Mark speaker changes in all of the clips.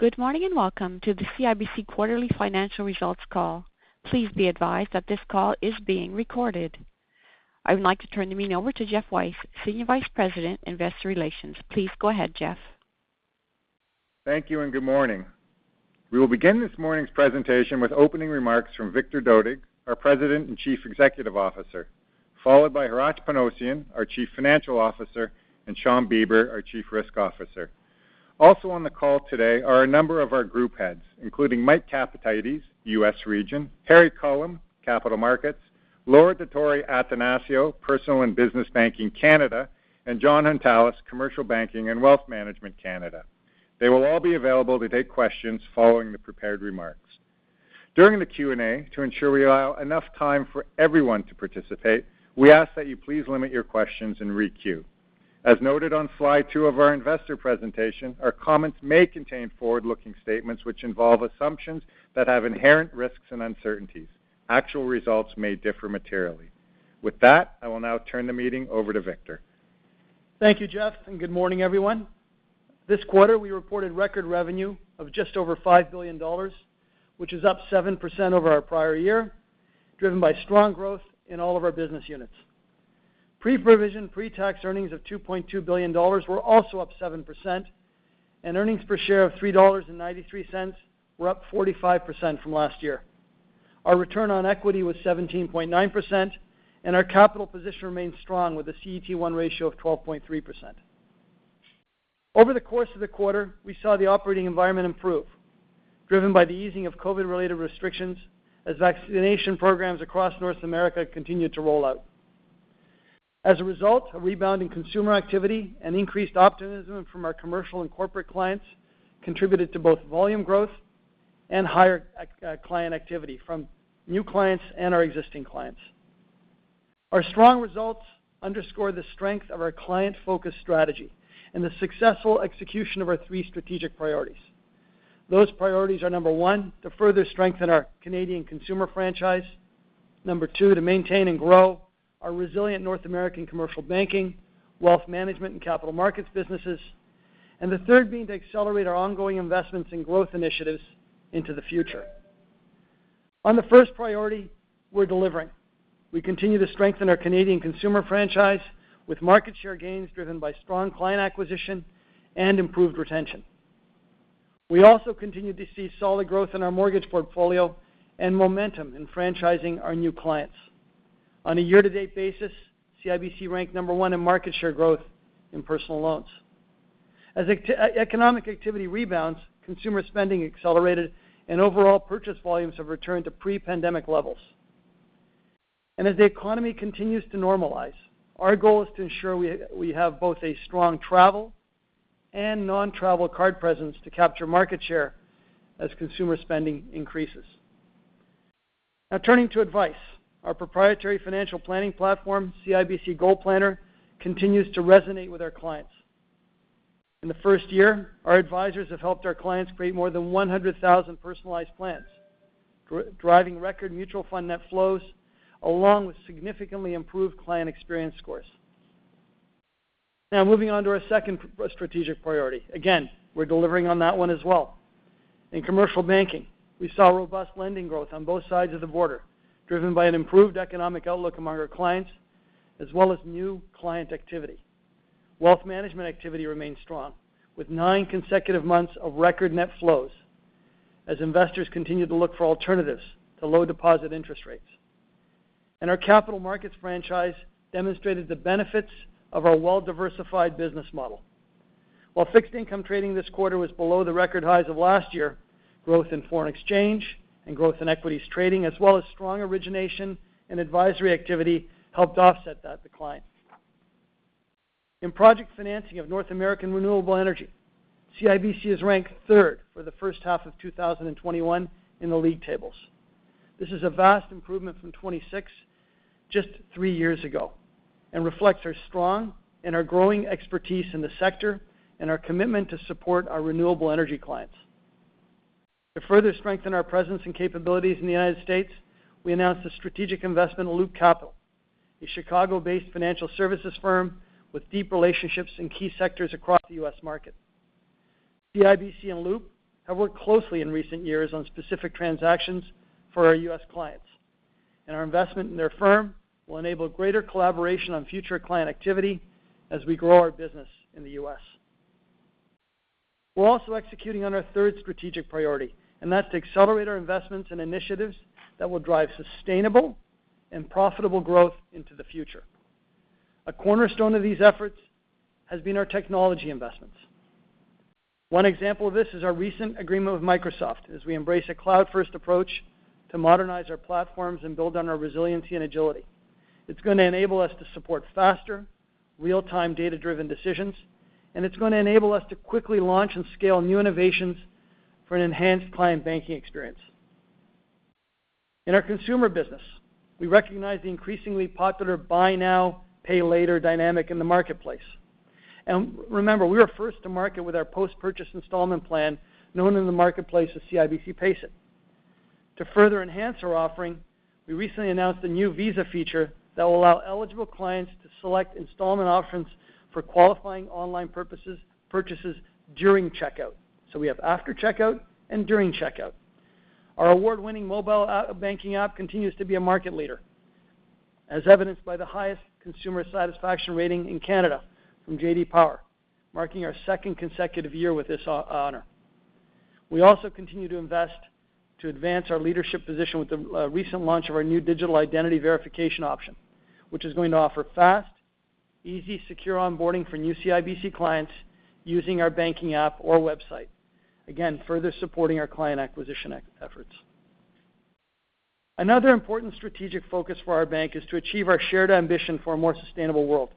Speaker 1: Good morning, and welcome to the CIBC quarterly financial results call. Please be advised that this call is being recorded. I would like to turn the meeting over to Geoff Weiss, Senior Vice President, Investor Relations. Please go ahead, Geoff.
Speaker 2: Thank you, and good morning. We will begin this morning's presentation with opening remarks from Victor Dodig, our President and Chief Executive Officer, followed by Hratch Panossian, our Chief Financial Officer, and Shawn Beber, our Chief Risk Officer. Also on the call today are a number of our group heads, including Mike Capatides, U.S. Region, Harry Culham, Capital Markets, Laura Dottori-Attanasio, Personal and Business Banking, Canada, and Jon Hountalas, Commercial Banking and Wealth Management, Canada. They will all be available to take questions following the prepared remarks. During the Q&A, to ensure we allow enough time for everyone to participate, we ask that you please limit your questions and re-queue. As noted on slide two of our investor presentation, our comments may contain forward-looking statements which involve assumptions that have inherent risks and uncertainties. Actual results may differ materially. With that, I will now turn the meeting over to Victor.
Speaker 3: Thank you, Geoff, and good morning, everyone. This quarter, we reported record revenue of just over 5 billion dollars, which is up 7% over our prior year, driven by strong growth in all of our business units. Pre-provision, pre-tax earnings of 2.2 billion dollars were also up 7%, and earnings per share of 3.93 dollars were up 45% from last year. Our return on equity was 17.9%, and our capital position remains strong with a CET1 ratio of 12.3%. Over the course of the quarter, we saw the operating environment improve, driven by the easing of COVID-related restrictions as vaccination programs across North America continued to roll out. As a result, a rebound in consumer activity and increased optimism from our commercial and corporate clients contributed to both volume growth and higher client activity from new clients and our existing clients. Our strong results underscore the strength of our client-focused strategy and the successful execution of our three strategic priorities. Those priorities are, number one, to further strengthen our Canadian consumer franchise; number two, to maintain and grow our resilient North American Commercial Banking, Wealth Management, and Capital Markets businesses; and the third being to accelerate our ongoing investments in growth initiatives into the future. On the first priority, we're delivering. We continue to strengthen our Canadian consumer franchise with market share gains driven by strong client acquisition and improved retention. We also continue to see solid growth in our mortgage portfolio and momentum in franchising our new clients. On a year-to-date basis, CIBC ranked number one in market share growth in personal loans. As economic activity rebounds, consumer spending accelerated and overall purchase volumes have returned to pre-pandemic levels. As the economy continues to normalize, our goal is to ensure we have both a strong travel and non-travel card presence to capture market share as consumer spending increases. Turning to advice. Our proprietary financial planning platform, CIBC GoalPlanner, continues to resonate with our clients. In the first year, our advisors have helped our clients create more than 100,000 personalized plans, driving record mutual fund net flows, along with significantly improved client experience scores. Moving on to our second strategic priority. Again, we're delivering on that one as well. In Commercial Banking, we saw robust lending growth on both sides of the border, driven by an improved economic outlook among our clients, as well as new client activity. Wealth Management activity remains strong, with nine consecutive months of record net flows as investors continue to look for alternatives to low deposit interest rates. Our Capital Markets franchise demonstrated the benefits of our well-diversified business model. While fixed income trading this quarter was below the record highs of last year, growth in foreign exchange and growth in equities trading, as well as strong origination and advisory activity, helped offset that decline. In project financing of North American renewable energy, CIBC is ranked third for the first half of 2021 in the league tables. This is a vast improvement from 26 just three years ago and reflects our strong and our growing expertise in the sector and our commitment to support our renewable energy clients. To further strengthen our presence and capabilities in the United States, we announced a strategic investment in Loop Capital, a Chicago-based financial services firm with deep relationships in key sectors across the U.S. market. CIBC and Loop have worked closely in recent years on specific transactions for our U.S. clients. Our investment in their firm will enable greater collaboration on future client activity as we grow our business in the U.S. We're also executing on our third strategic priority. That's to accelerate our investments and initiatives that will drive sustainable and profitable growth into the future. A cornerstone of these efforts has been our technology investments. One example of this is our recent agreement with Microsoft as we embrace a cloud-first approach to modernize our platforms and build on our resiliency and agility. It's going to enable us to support faster, real-time, data-driven decisions. It's going to enable us to quickly launch and scale new innovations for an enhanced client banking experience. In our consumer business, we recognize the increasingly popular buy now, pay later dynamic in the marketplace. Remember, we were first to market with our post-purchase installment plan, known in the marketplace as CIBC Pace It. To further enhance our offering, we recently announced the new Visa feature that will allow eligible clients to select installment options for qualifying online purchases during checkout. We have after checkout and during checkout. Our award-winning mobile banking app continues to be a market leader, as evidenced by the highest consumer satisfaction rating in Canada from J.D. Power, marking our second consecutive year with this honor. We also continue to invest to advance our leadership position with the recent launch of our new digital identity verification option, which is going to offer fast, easy, secure onboarding for new CIBC clients using our banking app or website. Again, further supporting our client acquisition efforts. Another important strategic focus for our bank is to achieve our shared ambition for a more sustainable world,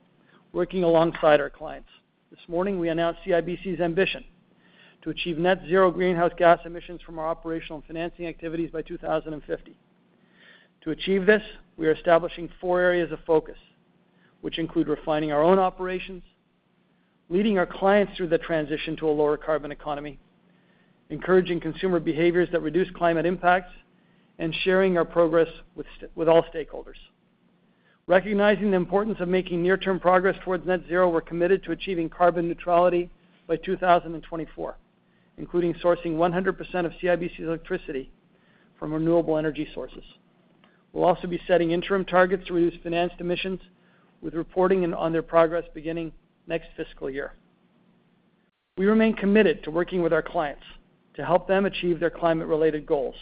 Speaker 3: working alongside our clients. This morning, we announced CIBC's ambition to achieve net zero greenhouse gas emissions from our operational and financing activities by 2050. To achieve this, we are establishing four areas of focus, which include refining our own operations, leading our clients through the transition to a lower carbon economy, encouraging consumer behaviors that reduce climate impacts, and sharing our progress with all stakeholders. Recognizing the importance of making near-term progress towards net zero, we're committed to achieving carbon neutrality by 2024, including sourcing 100% of CIBC's electricity from renewable energy sources. We'll also be setting interim targets to reduce financed emissions, with reporting on their progress beginning next fiscal year. We remain committed to working with our clients to help them achieve their climate-related goals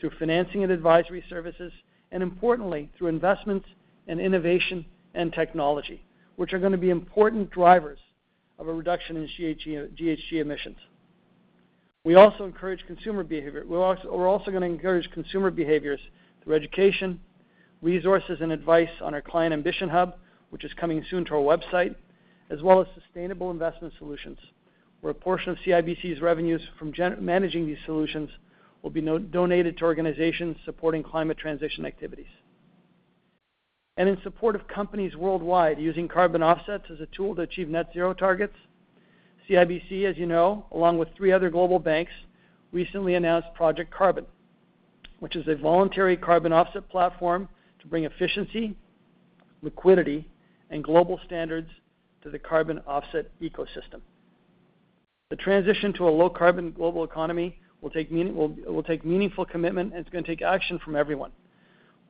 Speaker 3: through financing and advisory services, importantly, through investments in innovation and technology, which are going to be important drivers of a reduction in GHG emissions. We're also going to encourage consumer behaviors through education, resources, and advice on our client ambition hub, which is coming soon to our website, as well as sustainable investment solutions, where a portion of CIBC's revenues from managing these solutions will be donated to organizations supporting climate transition activities. In support of companies worldwide using carbon offsets as a tool to achieve net zero targets, CIBC, as you know, along with three other global banks, recently announced Project Carbon, which is a voluntary carbon offset platform to bring efficiency, liquidity, and global standards to the carbon offset ecosystem. The transition to a low-carbon global economy will take meaningful commitment, and it's going to take action from everyone.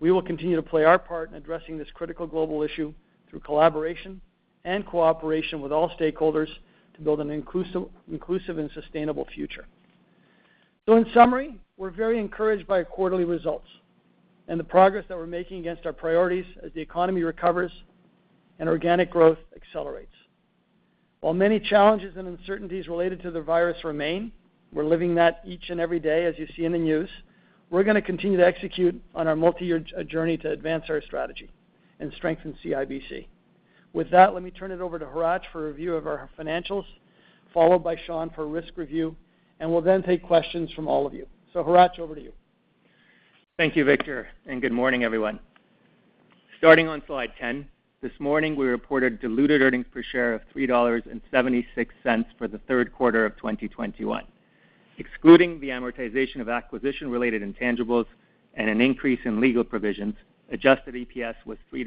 Speaker 3: We will continue to play our part in addressing this critical global issue through collaboration and cooperation with all stakeholders to build an inclusive and sustainable future. In summary, we're very encouraged by our quarterly results and the progress that we're making against our priorities as the economy recovers and organic growth accelerates. While many challenges and uncertainties related to the virus remain, we're living that each and every day, as you see in the news, we're going to continue to execute on our multi-year journey to advance our strategy and strengthen CIBC. With that, let me turn it over to Hratch for a review of our financials, followed by Shawn for risk review, and we'll then take questions from all of you. Hratch, over to you.
Speaker 4: Thank you, Victor, and good morning, everyone. Starting on slide 10, this morning, we reported diluted earnings per share of 3.76 dollars for the third quarter of 2021. Excluding the amortization of acquisition-related intangibles and an increase in legal provisions, adjusted EPS was 3.93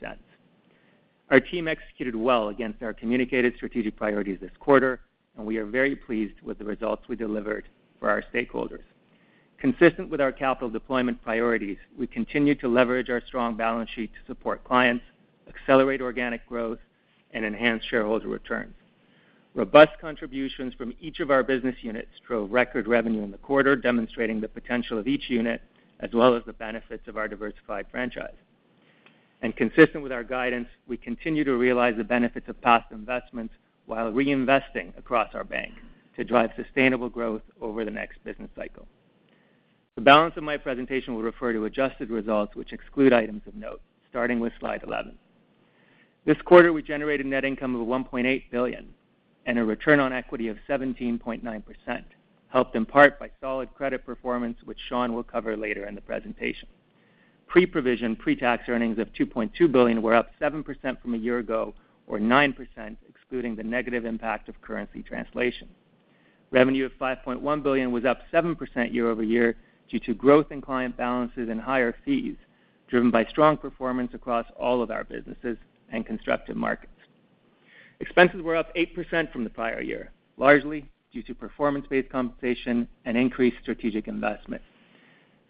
Speaker 4: dollars. Our team executed well against our communicated strategic priorities this quarter, and we are very pleased with the results we delivered for our stakeholders. Consistent with our capital deployment priorities, we continue to leverage our strong balance sheet to support clients, accelerate organic growth, and enhance shareholder returns. Robust contributions from each of our business units drove record revenue in the quarter, demonstrating the potential of each unit, as well as the benefits of our diversified franchise. Consistent with our guidance, we continue to realize the benefits of past investments while reinvesting across our bank to drive sustainable growth over the next business cycle. The balance of my presentation will refer to adjusted results, which exclude items of note, starting with slide 11. This quarter, we generated net income of 1.8 billion and a return on equity of 17.9%, helped in part by solid credit performance, which Shawn will cover later in the presentation. Pre-provision, pre-tax earnings of CAD 2.2 billion were up 7% from a year ago or 9%, excluding the negative impact of currency translation. Revenue of 5.1 billion was up 7% year-over-year due to growth in client balances and higher fees, driven by strong performance across all of our businesses and constructive markets. Expenses were up 8% from the prior year, largely due to performance-based compensation and increased strategic investment.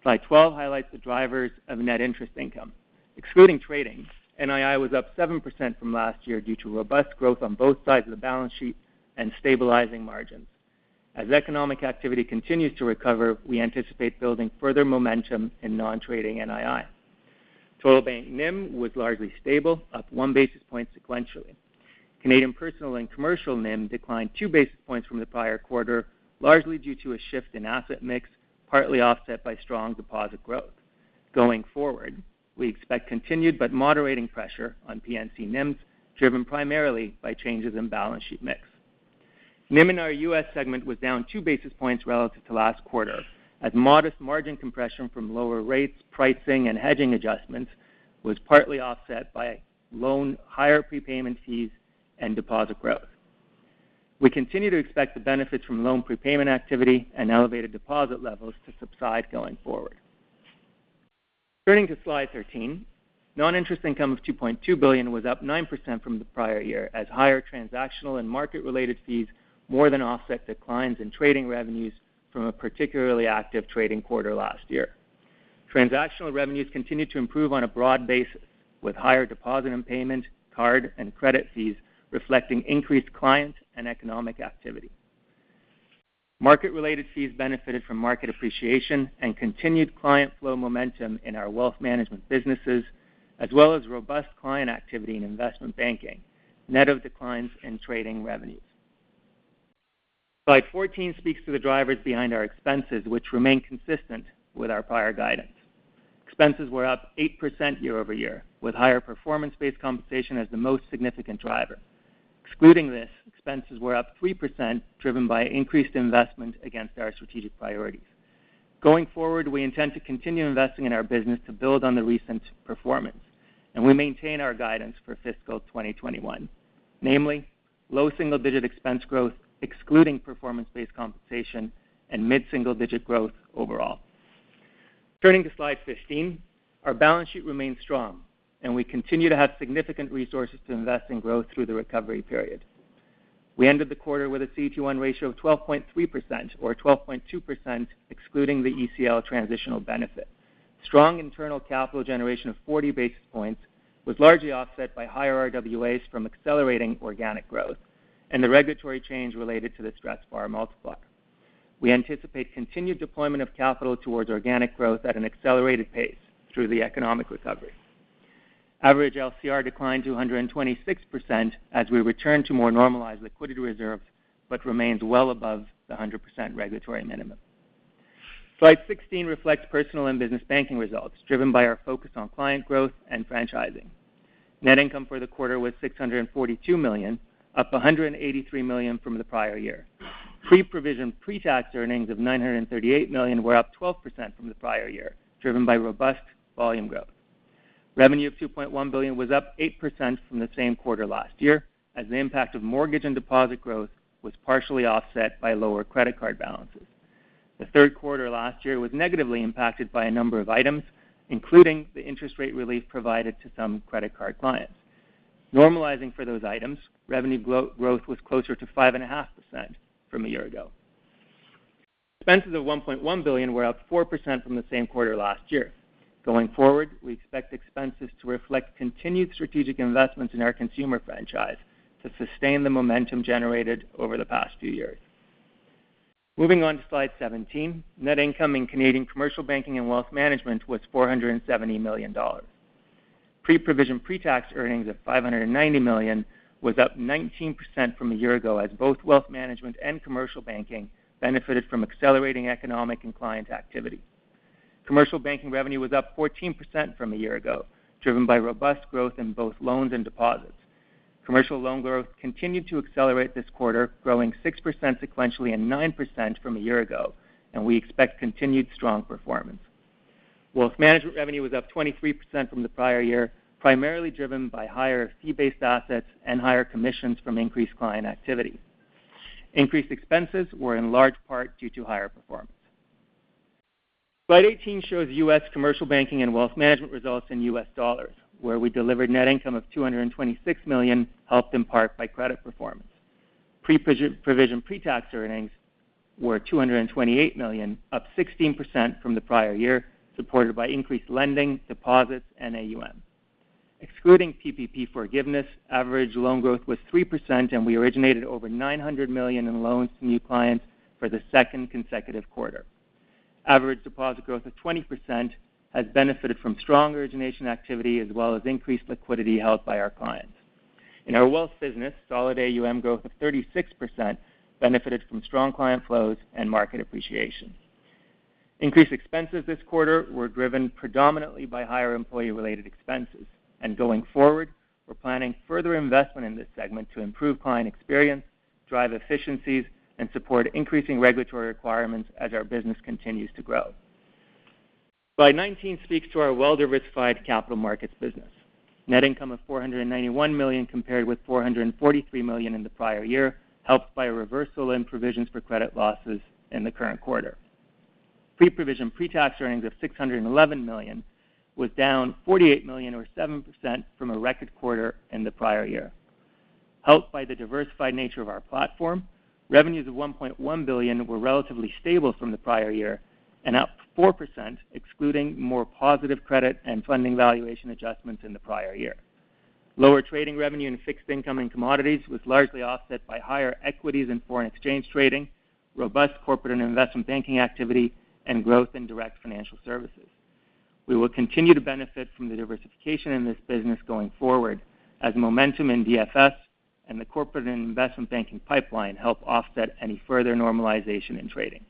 Speaker 4: Slide 12 highlights the drivers of net interest income. Excluding trading, NII was up 7% from last year due to robust growth on both sides of the balance sheet and stabilizing margins. As economic activity continues to recover, we anticipate building further momentum in non-trading NII. Total bank NIM was largely stable, up 1 basis point sequentially. Canadian personal and commercial NIM declined two basis points from the prior quarter, largely due to a shift in asset mix, partly offset by strong deposit growth. Going forward, we expect continued but moderating pressure on P&C NIMs, driven primarily by changes in balance sheet mix. NIM in our U.S. segment was down 2 basis points relative to last quarter, as modest margin compression from lower rates, pricing, and hedging adjustments was partly offset by loan higher prepayment fees and deposit growth. We continue to expect the benefits from loan prepayment activity and elevated deposit levels to subside going forward. Turning to slide 13. Non-interest income of 2.2 billion was up 9% from the prior year, as higher transactional and market-related fees more than offset declines in trading revenues from a particularly active trading quarter last year. Transactional revenues continued to improve on a broad base, with higher deposit and payment, card, and credit fees reflecting increased client and economic activity. Market-related fees benefited from market appreciation and continued client flow momentum in our Wealth Management businesses, as well as robust client activity in investment banking, net of declines in trading revenues. Slide 14 speaks to the drivers behind our expenses, which remain consistent with our prior guidance. Expenses were up 8% year-over-year, with higher performance-based compensation as the most significant driver. Excluding this, expenses were up 3%, driven by increased investment against our strategic priorities. Going forward, we intend to continue investing in our business to build on the recent performance, and we maintain our guidance for fiscal 2021. Namely, low single-digit expense growth excluding performance-based compensation and mid-single-digit growth overall. Turning to slide 15. Our balance sheet remains strong, and we continue to have significant resources to invest in growth through the recovery period. We ended the quarter with a CET1 ratio of 12.3%, or 12.2% excluding the ECL transitional benefit. Strong internal capital generation of 40 basis points was largely offset by higher RWAs from accelerating organic growth and the regulatory change related to the stressed VaR multiplier. We anticipate continued deployment of capital towards organic growth at an accelerated pace through the economic recovery. Average LCR declined to 126% as we return to more normalized liquidity reserves, but remains well above the 100% regulatory minimum. Slide 16 reflects Personal and Business Banking results, driven by our focus on client growth and franchising. Net income for the quarter was 642 million, up 183 million from the prior year. Pre-provision, pre-tax earnings of 938 million were up 12% from the prior year, driven by robust volume growth. Revenue of 2.1 billion was up 8% from the same quarter last year, as the impact of mortgage and deposit growth was partially offset by lower credit card balances. The third quarter last year was negatively impacted by a number of items, including the interest rate relief provided to some credit card clients. Normalizing for those items, revenue growth was closer to 5.5% from a year ago. Expenses of 1.1 billion were up 4% from the same quarter last year. Going forward, we expect expenses to reflect continued strategic investments in our consumer franchise to sustain the momentum generated over the past few years. Moving on to slide 17. Net income in Canadian Commercial Banking and Wealth Management was 470 million dollars. Pre-provision, pre-tax earnings of 590 million was up 19% from a year ago as both Wealth Management and Commercial Banking benefited from accelerating economic and client activity. Commercial Banking revenue was up 14% from a year ago, driven by robust growth in both loans and deposits. Commercial loan growth continued to accelerate this quarter, growing 6% sequentially and 9% from a year ago, and we expect continued strong performance. Wealth Management revenue was up 23% from the prior year, primarily driven by higher fee-based assets and higher commissions from increased client activity. Increased expenses were in large part due to higher performance. Slide 18 shows U.S. Commercial Banking and Wealth Management results in U.S. dollars, where we delivered net income of $226 million, helped in part by credit performance. Pre-provision, pre-tax earnings were $228 million, up 16% from the prior year, supported by increased lending, deposits, and AUM. Excluding PPP forgiveness, average loan growth was 3%, and we originated over $900 million in loans to new clients for the second consecutive quarter. Average deposit growth of 20% has benefited from strong origination activity as well as increased liquidity held by our clients. In our wealth business, solid AUM growth of 36% benefited from strong client flows and market appreciation. Increased expenses this quarter were driven predominantly by higher employee-related expenses. Going forward, we're planning further investment in this segment to improve client experience, drive efficiencies, and support increasing regulatory requirements as our business continues to grow. Slide 19 speaks to our well-diversified Capital Markets business. Net income of 491 million compared with 443 million in the prior year, helped by a reversal in provisions for credit losses in the current quarter. Pre-provision, pre-tax earnings of 611 million was down 48 million or 7% from a record quarter in the prior year. Helped by the diversified nature of our platform, revenues of 1.1 billion were relatively stable from the prior year and up 4%, excluding more positive credit and funding valuation adjustments in the prior year. Lower trading revenue in fixed income and commodities was largely offset by higher equities and foreign exchange trading, robust corporate and investment banking activity, and growth in direct financial services. We will continue to benefit from the diversification in this business going forward as momentum in DFS and the corporate and investment banking pipeline help offset any further normalization in trading.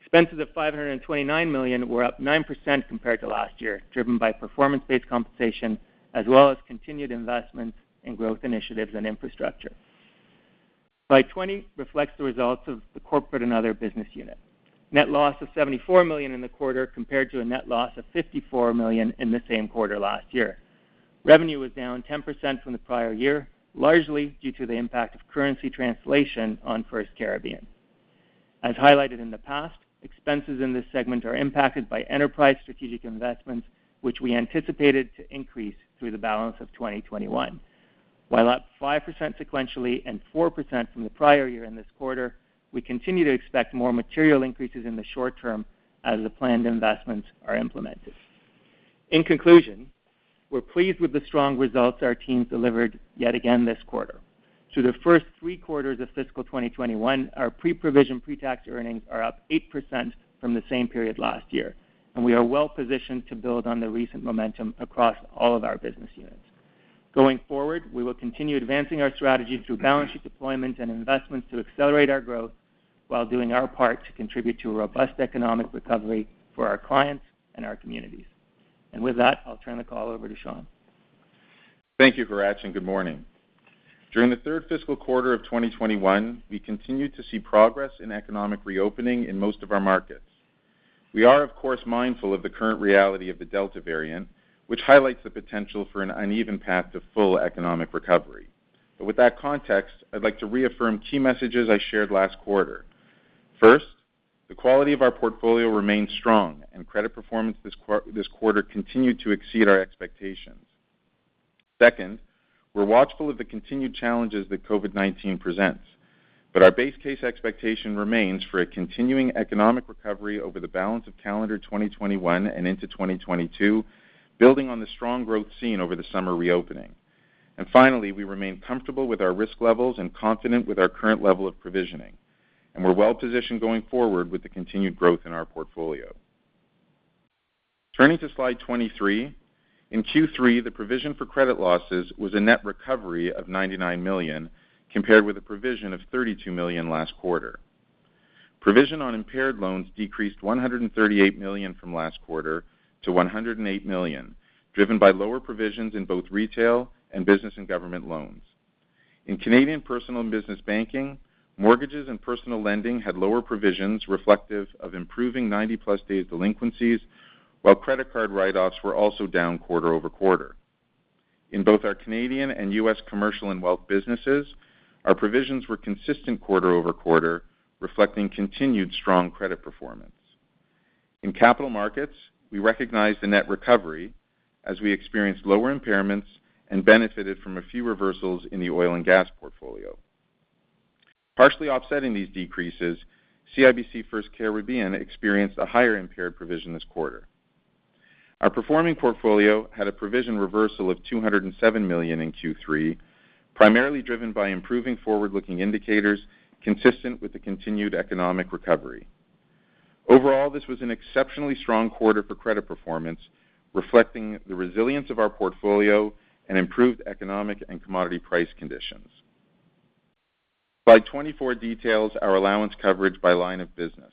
Speaker 4: Expenses of 529 million were up 9% compared to last year, driven by performance-based compensation as well as continued investments in growth initiatives and infrastructure. Slide 20 reflects the results of the Corporate and Other Business Unit. Net loss of 74 million in the quarter compared to a net loss of 54 million in the same quarter last year. Revenue was down 10% from the prior year, largely due to the impact of currency translation on FirstCaribbean. As highlighted in the past, expenses in this segment are impacted by enterprise strategic investments, which we anticipated to increase through the balance of 2021. While up 5% sequentially and 4% from the prior year in this quarter, we continue to expect more material increases in the short term as the planned investments are implemented. In conclusion, we're pleased with the strong results our teams delivered yet again this quarter. Through the first three quarters of fiscal 2021, our pre-provision pre-tax earnings are up 8% from the same period last year, and we are well-positioned to build on the recent momentum across all of our business units. Going forward, we will continue advancing our strategy through balance sheet deployment and investments to accelerate our growth while doing our part to contribute to a robust economic recovery for our clients and our communities. With that, I'll turn the call over to Shawn.
Speaker 5: Thank you, Hratch, and good morning. During the third fiscal quarter of 2021, we continued to see progress in economic reopening in most of our markets. We are, of course, mindful of the current reality of the Delta variant, which highlights the potential for an uneven path to full economic recovery. With that context, I'd like to reaffirm key messages I shared last quarter. First, the quality of our portfolio remains strong, and credit performance this quarter continued to exceed our expectations. Second, we're watchful of the continued challenges that COVID-19 presents, our base case expectation remains for a continuing economic recovery over the balance of calendar 2021 and into 2022, building on the strong growth seen over the summer reopening. Finally, we remain comfortable with our risk levels and confident with our current level of provisioning, and we're well-positioned going forward with the continued growth in our portfolio. Turning to slide 23, in Q3, the provision for credit losses was a net recovery of 99 million, compared with a provision of 32 million last quarter. Provision on impaired loans decreased 138 million from last quarter to 108 million, driven by lower provisions in both retail and business and government loans. In Canadian Personal and Business Banking, mortgages and personal lending had lower provisions reflective of improving 90+ days delinquencies, while credit card write-offs were also down quarter-over-quarter. In both our Canadian and U.S. Commercial and Wealth businesses, our provisions were consistent quarter-over-quarter, reflecting continued strong credit performance. In Capital Markets, we recognized the net recovery as we experienced lower impairments and benefited from a few reversals in the oil and gas portfolio. Partially offsetting these decreases, CIBC FirstCaribbean experienced a higher impaired provision this quarter. Our performing portfolio had a provision reversal of 207 million in Q3, primarily driven by improving forward-looking indicators consistent with the continued economic recovery. Overall, this was an exceptionally strong quarter for credit performance, reflecting the resilience of our portfolio and improved economic and commodity price conditions. Slide 24 details our allowance coverage by line of business.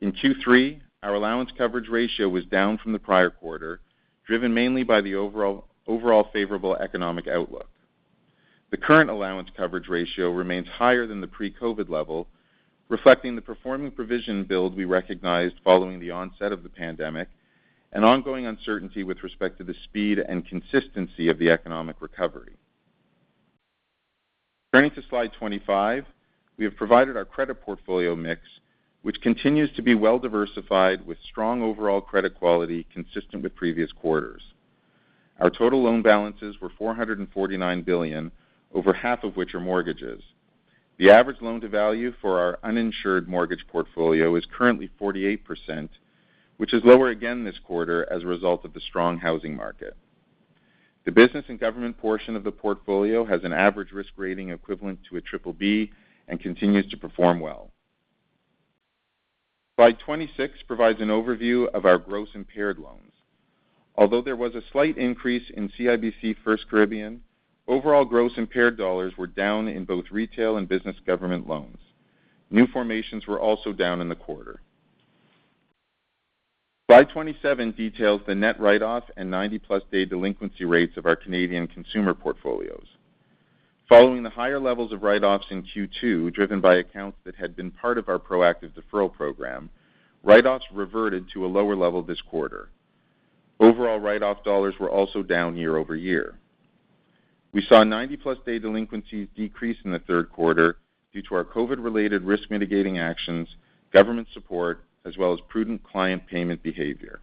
Speaker 5: In Q3, our allowance coverage ratio was down from the prior quarter, driven mainly by the overall favorable economic outlook. The current allowance coverage ratio remains higher than the pre-COVID level, reflecting the performing provision build we recognized following the onset of the pandemic and ongoing uncertainty with respect to the speed and consistency of the economic recovery. Turning to slide 25, we have provided our credit portfolio mix, which continues to be well-diversified with strong overall credit quality consistent with previous quarters. Our total loan balances were 449 billion, over half of which are mortgages. The average loan-to-value for our uninsured mortgage portfolio is currently 48%, which is lower again this quarter as a result of the strong housing market. The business and government portion of the portfolio has an average risk rating equivalent to a BBB and continues to perform well. Slide 26 provides an overview of our gross impaired loans. Although there was a slight increase in CIBC FirstCaribbean, overall gross impaired dollars were down in both retail and business government loans. New formations were also down in the quarter. Slide 27 details the net write-off and 90+ day delinquency rates of our Canadian consumer portfolios. Following the higher levels of write-offs in Q2, driven by accounts that had been part of our proactive deferral program, write-offs reverted to a lower level this quarter. Overall write-off dollars were also down year-over-year. We saw 90+ day delinquencies decrease in the third quarter due to our COVID-related risk mitigating actions, government support, as well as prudent client payment behavior.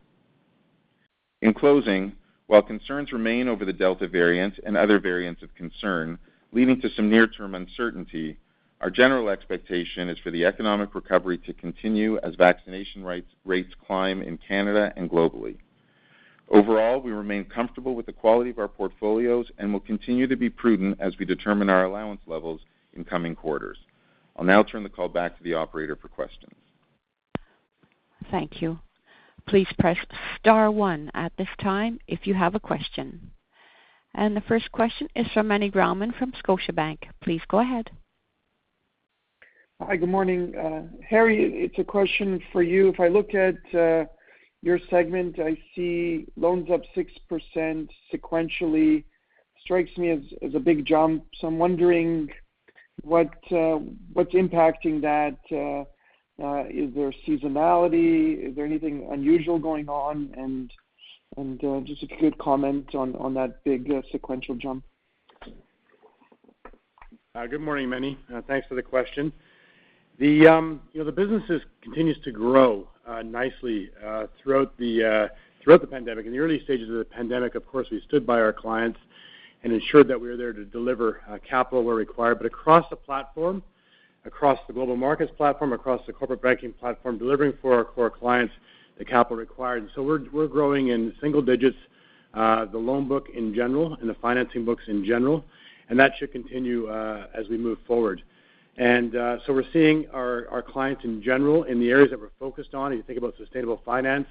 Speaker 5: In closing, while concerns remain over the Delta variant and other variants of concern, leading to some near-term uncertainty, our general expectation is for the economic recovery to continue as vaccination rates climb in Canada and globally. Overall, we remain comfortable with the quality of our portfolios and will continue to be prudent as we determine our allowance levels in coming quarters. I'll now turn the call back to the operator for questions.
Speaker 1: Thank you. Please press star one at this time if you have a question. The first question is from Meny Grauman from Scotiabank. Please go ahead.
Speaker 6: Hi, good morning. Harry, it's a question for you. If I look at your segment, I see loans up 6% sequentially. Strikes me as a big jump. I'm wondering what's impacting that. Is there seasonality? Is there anything unusual going on? Just if you could comment on that big sequential jump.
Speaker 7: Good morning, Meny. Thanks for the question. The businesses continues to grow nicely throughout the pandemic. In the early stages of the pandemic, of course, we stood by our clients and ensured that we were there to deliver capital where required, but across the platform, across the global markets platform, across the corporate banking platform, delivering for our core clients the capital required. We're growing in single digits the loan book in general and the financing books in general, and that should continue as we move forward. We're seeing our clients in general in the areas that we're focused on, if you think about sustainable finance,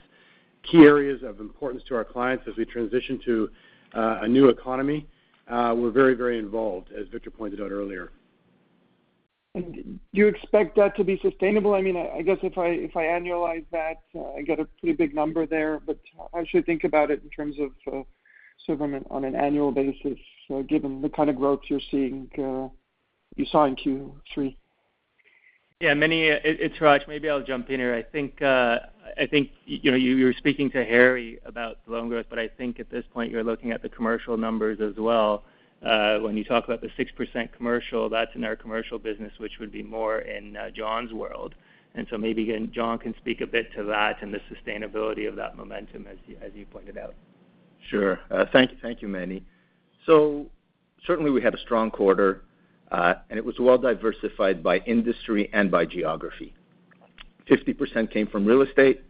Speaker 7: key areas of importance to our clients as we transition to a new economy we're very involved, as Victor pointed out earlier.
Speaker 6: Do you expect that to be sustainable? I guess if I annualize that, I get a pretty big number there, but how I should think about it in terms of sort of on an annual basis, given the kind of growth you're seeing, you saw in Q3.
Speaker 4: Yeah, Meny, it's Hratch. Maybe I'll jump in here. I think you were speaking to Harry about the loan growth, but I think at this point you're looking at the commercial numbers as well. When you talk about the 6% commercial, that's in our commercial business, which would be more in Jon's world. Maybe Jon can speak a bit to that and the sustainability of that momentum as you pointed out.
Speaker 8: Sure. Thank you, Meny. Certainly we had a strong quarter, and it was well-diversified by industry and by geography. 50% came from real estate,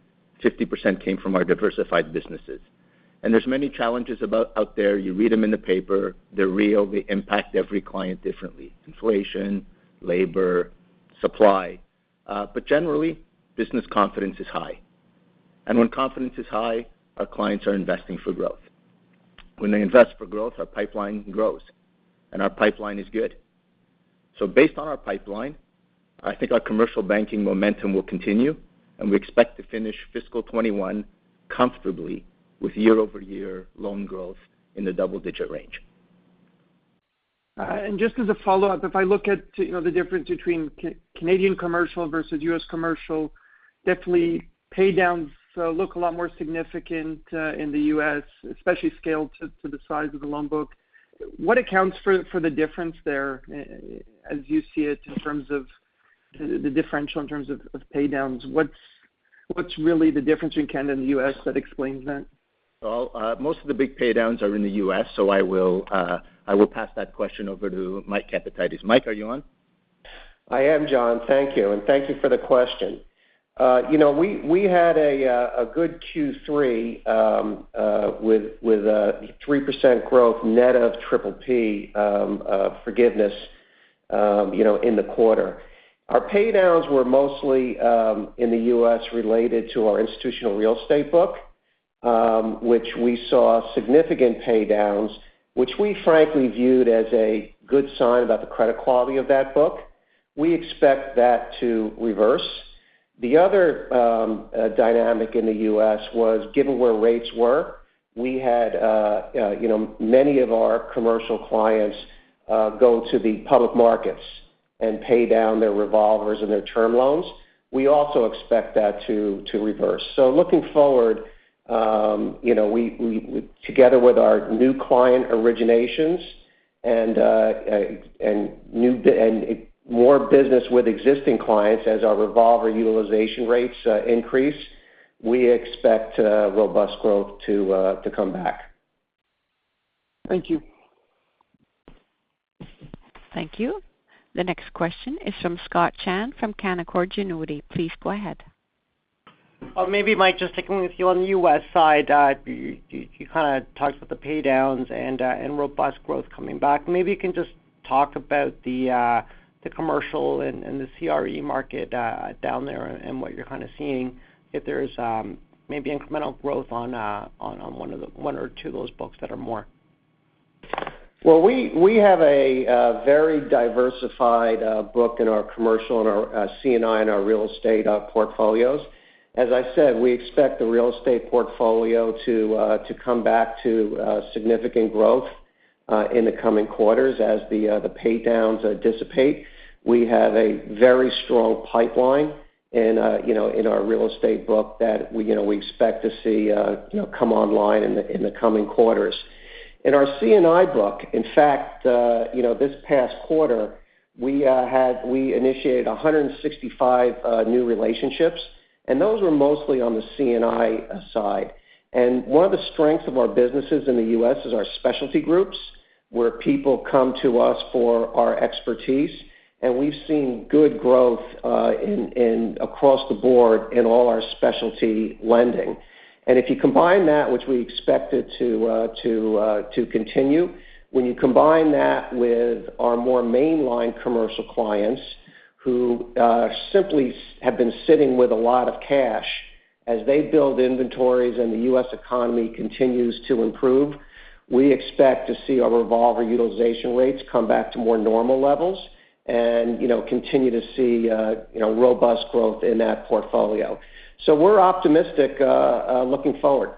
Speaker 8: 50% came from our diversified businesses. There's many challenges about out there. You read them in the paper, they're real, they impact every client differently. Inflation, labor, supply. Generally, business confidence is high. When confidence is high, our clients are investing for growth. When they invest for growth, our pipeline grows, and our pipeline is good. Based on our pipeline, I think our Commercial Banking momentum will continue, and we expect to finish fiscal 2021 comfortably with year-over-year loan growth in the double-digit range.
Speaker 6: Just as a follow-up, if I look at the difference between Canadian Commercial versus U.S. Commercial, definitely paydowns look a lot more significant in the U.S. especially scaled to the size of the loan book. What accounts for the difference there as you see it in terms of the differential in terms of paydowns? What's really the difference between Canada and the U.S. that explains that?
Speaker 8: Well, most of the big paydowns are in the U.S. so I will pass that question over to Mike Capatides. Mike, are you on?
Speaker 9: I am, Jon. Thank you, and thank you for the question. We had a good Q3 with a 3% growth net of PPP forgiveness in the quarter. Our paydowns were mostly in the U.S. related to our institutional real estate book which we saw significant paydowns, which we frankly viewed as a good sign about the credit quality of that book. We expect that to reverse. The other dynamic in the U.S. was given where rates were, we had many of our commercial clients go to the public markets and pay down their revolvers and their term loans. We also expect that to reverse. Looking forward together with our new client originations and more business with existing clients as our revolver utilization rates increase, we expect robust growth to come back.
Speaker 6: Thank you.
Speaker 1: Thank you. The next question is from Scott Chan from Canaccord Genuity. Please go ahead.
Speaker 10: Well, maybe, Mike, just sticking with you on the U.S. side, you kind of talked about the paydowns and robust growth coming back. Maybe you can just talk about the commercial and the CRE market down there and what you're kind of seeing if there's maybe incremental growth on one or two of those books that are more?
Speaker 9: Well, we have a very diversified book in our commercial, in our C&I, and our real estate portfolios. As I said, we expect the real estate portfolio to come back to significant growth in the coming quarters as the paydowns dissipate. We have a very strong pipeline in our real estate book that we expect to see come online in the coming quarters. In our C&I book, in fact this past quarter, we initiated 165 new relationships, and those were mostly on the C&I side. One of the strengths of our businesses in the U.S. is our specialty groups, where people come to us for our expertise, and we've seen good growth across the board in all our specialty lending. If you combine that, which we expect it to continue, when you combine that with our more mainline commercial clients who simply have been sitting with a lot of cash as they build inventories and the U.S. economy continues to improve, we expect to see our revolver utilization rates come back to more normal levels and continue to see robust growth in that portfolio. We're optimistic looking forward.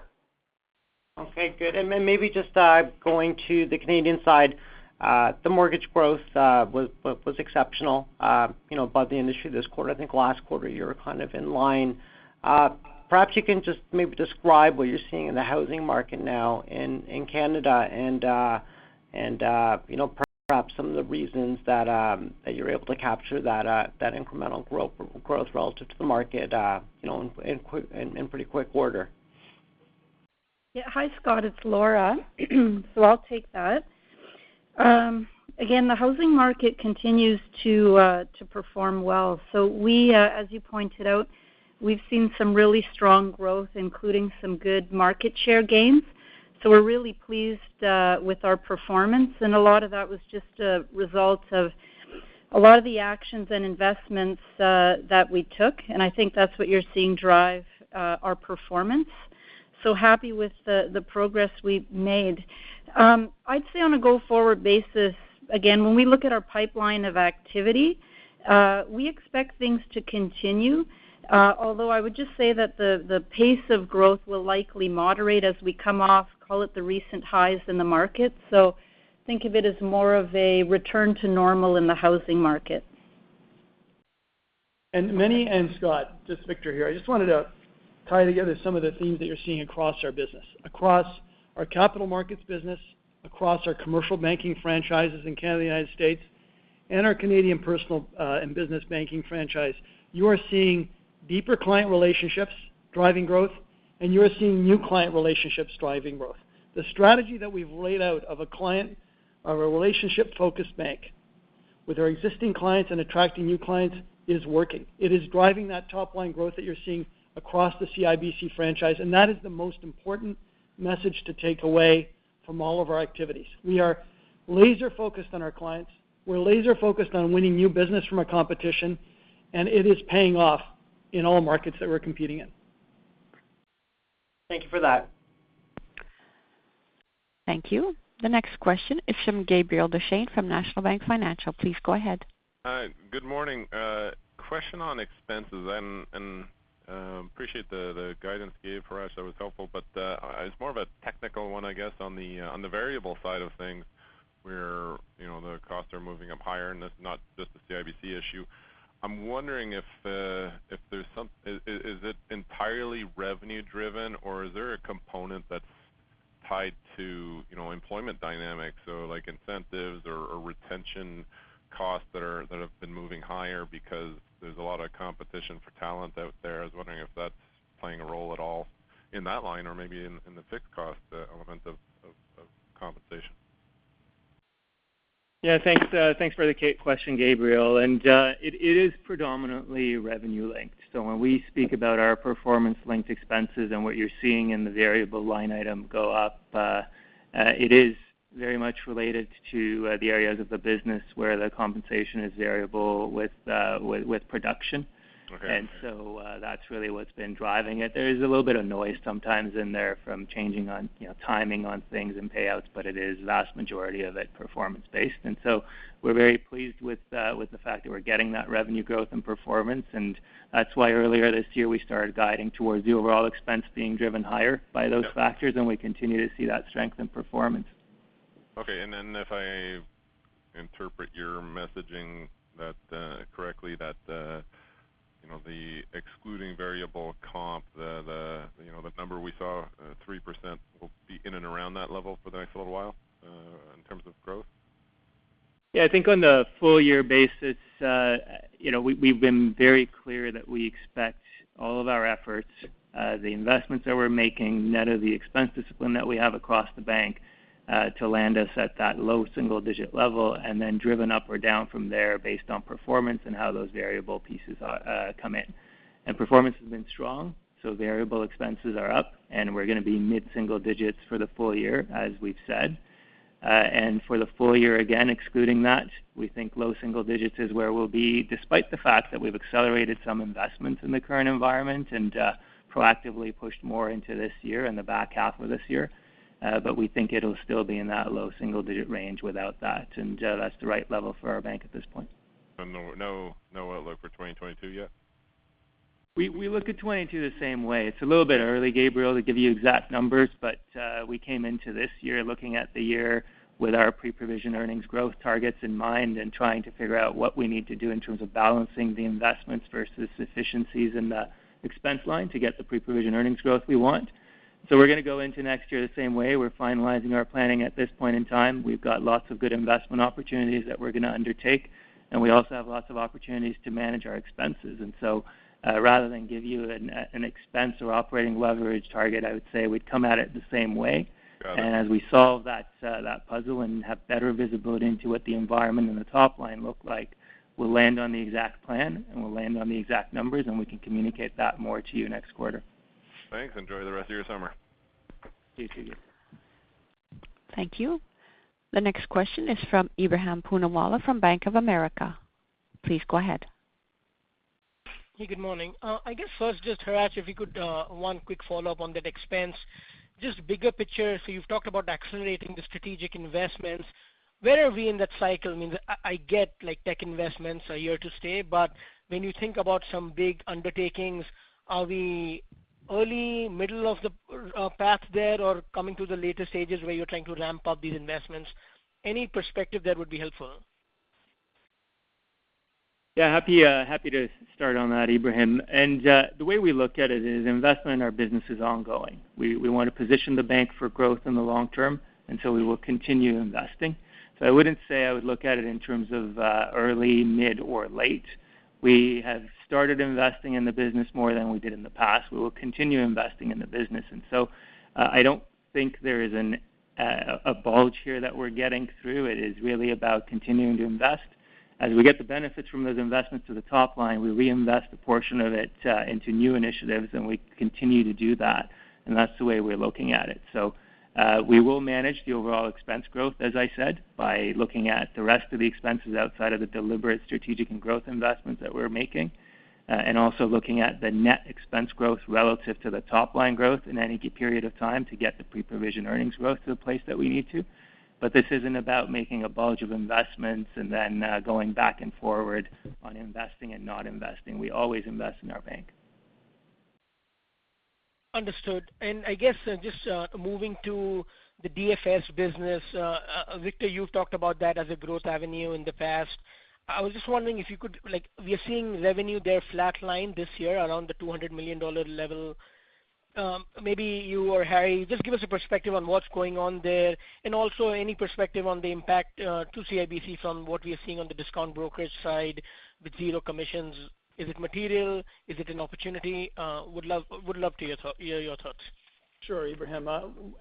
Speaker 10: Okay, good. Maybe just going to the Canadian side, the mortgage growth was exceptional above the industry this quarter. I think last quarter you were kind of in line. Perhaps you can just maybe describe what you're seeing in the housing market now in Canada and perhaps some of the reasons that you're able to capture that incremental growth relative to the market in pretty quick order.
Speaker 11: Hi, Scott, it's Laura. I'll take that. Again, the housing market continues to perform well. We, as you pointed out, we've seen some really strong growth, including some good market share gains. We're really pleased with our performance, and a lot of that was just a result of a lot of the actions and investments that we took, and I think that's what you're seeing drive our performance. Happy with the progress we've made. I'd say on a go-forward basis, again, when we look at our pipeline of activity, we expect things to continue. I would just say that the pace of growth will likely moderate as we come off, call it the recent highs in the market. Think of it as more of a return to normal in the housing market.
Speaker 3: And Scott, just Victor here, I just wanted to tie together some of the themes that you're seeing across our business, across our Capital Markets business, across our Commercial Banking franchises in Canada, United States, and our Canadian personal and business banking franchise. You are seeing deeper client relationships driving growth, you are seeing new client relationships driving growth. The strategy that we've laid out of a client, of a relationship-focused bank with our existing clients and attracting new clients is working. It is driving that top-line growth that you're seeing across the CIBC franchise, that is the most important message to take away from all of our activities. We are laser-focused on our clients. We're laser-focused on winning new business from our competition, it is paying off in all markets that we're competing in.
Speaker 10: Thank you for that.
Speaker 1: Thank you. The next question is from Gabriel Dechaine from National Bank Financial. Please go ahead.
Speaker 12: Hi. Good morning. Question on expenses, and appreciate the guidance you gave for us. That was helpful, but it's more of a technical one, I guess, on the variable side of things, where the costs are moving up higher, and it's not just a CIBC issue. I'm wondering if is it entirely revenue-driven or is there a component that's tied to employment dynamics, so like incentives or retention costs that have been moving higher because there's a lot of competition for talent out there? I was wondering if that's playing a role at all in that line or maybe in the fixed cost elements of compensation.
Speaker 4: Yeah, thanks for the question, Gabriel, and it is predominantly revenue-linked. When we speak about our performance-linked expenses and what you're seeing in the variable line item go up, it is very much related to the areas of the business where the compensation is variable with production.
Speaker 12: Okay.
Speaker 4: That's really what's been driving it. There is a little bit of noise sometimes in there from changing on timing on things and payouts, but it is vast majority of it performance-based. We're very pleased with the fact that we're getting that revenue growth and performance, and that's why earlier this year, we started guiding towards the overall expense being driven higher by those factors, and we continue to see that strength in performance.
Speaker 12: If I interpret your messaging correctly, that the excluding variable comp, the number we saw, 3% will be in and around that level for the next little while, in terms of growth?
Speaker 4: I think on the full-year basis, we've been very clear that we expect all of our efforts, the investments that we're making, net of the expense discipline that we have across the bank to land us at that low double-digit level and then driven up or down from there based on performance and how those variable pieces come in. Performance has been strong, so variable expenses are up, and we're going to be mid-single digits for the full year, as we've said. For the full year, again, excluding that, we think low single digits is where we'll be, despite the fact that we've accelerated some investments in the current environment and proactively pushed more into this year, in the back half of this year. We think it'll still be in that low single-digit range without that, and that's the right level for our bank at this point.
Speaker 12: No outlook for 2022 yet?
Speaker 4: We look at 2022 the same way. It's a little bit early, Gabriel, to give you exact numbers, but we came into this year looking at the year with our pre-provision earnings growth targets in mind and trying to figure out what we need to do in terms of balancing the investments versus efficiencies in the expense line to get the pre-provision earnings growth we want. We're going to go into next year the same way. We're finalizing our planning at this point in time. We've got lots of good investment opportunities that we're going to undertake, and we also have lots of opportunities to manage our expenses. Rather than give you an expense or operating leverage target, I would say we'd come at it the same way.
Speaker 12: Got it.
Speaker 4: As we solve that puzzle and have better visibility into what the environment and the top line look like, we'll land on the exact plan, and we'll land on the exact numbers, and we can communicate that more to you next quarter.
Speaker 12: Thanks. Enjoy the rest of your summer.
Speaker 4: You too.
Speaker 1: Thank you. The next question is from Ebrahim Poonawala from Bank of America. Please go ahead.
Speaker 13: Hey, good morning. I guess first, just Hratch, if you could, one quick follow-up on that expense. Just bigger picture, you've talked about accelerating the strategic investments. Where are we in that cycle? I get tech investments are here to stay, but when you think about some big undertakings, are we early middle of the path there or coming to the later stages where you're trying to ramp up these investments? Any perspective there would be helpful.
Speaker 4: Yeah, happy to start on that, Ebrahim. The way we look at it is investment in our business is ongoing. We want to position the bank for growth in the long term, and so we will continue investing. I wouldn't say I would look at it in terms of early, mid, or late. We have started investing in the business more than we did in the past. We will continue investing in the business. I don't think there is a bulge here that we're getting through. It is really about continuing to invest. As we get the benefits from those investments to the top line, we reinvest a portion of it into new initiatives, and we continue to do that. That's the way we're looking at it. We will manage the overall expense growth, as I said, by looking at the rest of the expenses outside of the deliberate strategic and growth investments that we're making. Also looking at the net expense growth relative to the top-line growth in any period of time to get the pre-provision earnings growth to the place that we need to. This isn't about making a bulge of investments and then going back and forward on investing and not investing. We always invest in our bank.
Speaker 13: Understood. I guess just moving to the DFS business, Victor, you've talked about that as a growth avenue in the past. We are seeing revenue there flatline this year around the 200 million dollar level. Maybe you or Harry, just give us a perspective on what's going on there, and also any perspective on the impact to CIBC from what we are seeing on the discount brokerage side with zero commissions. Is it material? Is it an opportunity? Would love to hear your thoughts.
Speaker 3: Sure, Ebrahim.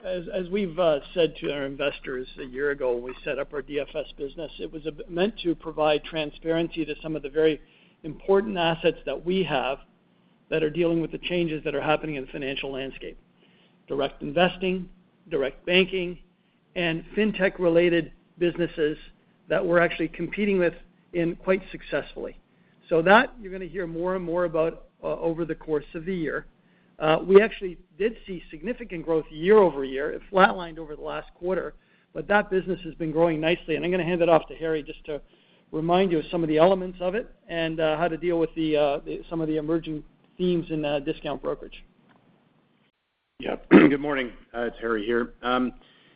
Speaker 3: As we've said to our investors one year ago when we set up our DFS business, it was meant to provide transparency to some of the very important assets that we have that are dealing with the changes that are happening in the financial landscape. Direct investing, direct banking, and fintech-related businesses that we're actually competing with quite successfully. That you're going to hear more and more about over the course of the year. We actually did see significant growth year-over-year. It flatlined over the last quarter, but that business has been growing nicely, and I'm going to hand it off to Harry just to remind you of some of the elements of it and how to deal with some of the emerging themes in discount brokerage.
Speaker 7: Yeah. Good morning. It's Harry here.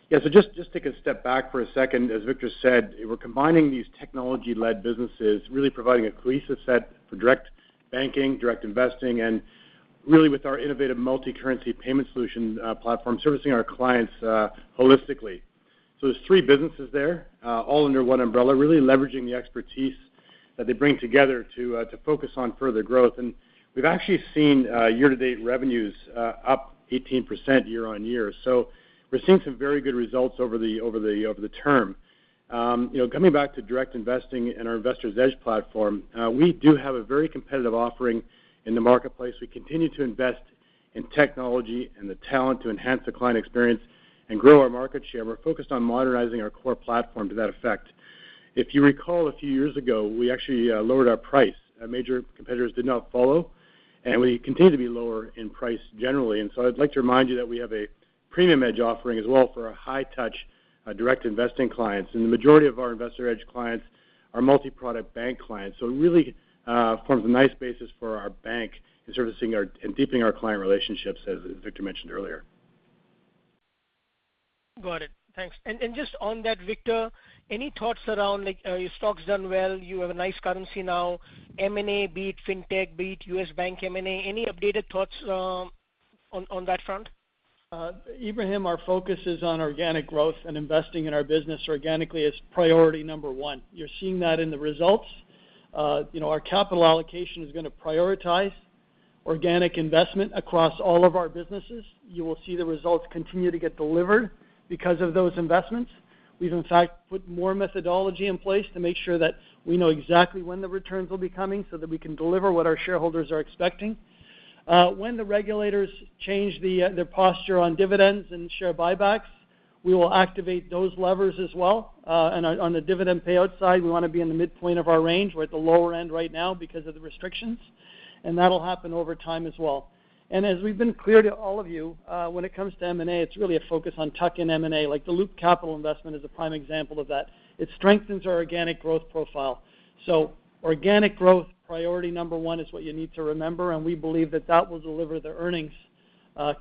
Speaker 7: Yeah, just take a step back for a second. As Victor said, we're combining these technology-led businesses, really providing a cohesive set for direct banking, direct investing, and really with our innovative multi-currency payment solution platform servicing our clients holistically. There's three businesses there all under one umbrella, really leveraging the expertise that they bring together to focus on further growth. We've actually seen year-to-date revenues up 18% year-on-year. We're seeing some very good results over the term. Coming back to direct investing and our Investor's Edge platform, we do have a very competitive offering in the marketplace. We continue to invest in technology and the talent to enhance the client experience and grow our market share, and we're focused on modernizing our core platform to that effect. If you recall, a few years ago, we actually lowered our price. Our major competitors did not follow, and we continue to be lower in price generally. I'd like to remind you that we have a Premium Edge offering as well for our high touch direct investing clients. The majority of our Investor's Edge clients are multi-product bank clients. It really forms a nice basis for our bank in servicing our, and deepening our client relationships, as Victor mentioned earlier.
Speaker 13: Got it. Thanks. Just on that, Victor, any thoughts around your stock's done well. You have a nice currency now. M&A, be it fintech, be it U.S. bank M&A, any updated thoughts on that front?
Speaker 3: Ebrahim, our focus is on organic growth and investing in our business organically as priority number one. You're seeing that in the results. Our capital allocation is going to prioritize organic investment across all of our businesses. You will see the results continue to get delivered because of those investments. We've in fact put more methodology in place to make sure that we know exactly when the returns will be coming so that we can deliver what our shareholders are expecting. When the regulators change their posture on dividends and share buybacks, we will activate those levers as well. On the dividend payout side, we want to be in the midpoint of our range. We're at the lower end right now because of the restrictions, and that'll happen over time as well. As we've been clear to all of you, when it comes to M&A, it's really a focus on tuck-in M&A, like the Loop Capital investment is a prime example of that. It strengthens our organic growth profile. Organic growth priority number one is what you need to remember, and we believe that that will deliver the earnings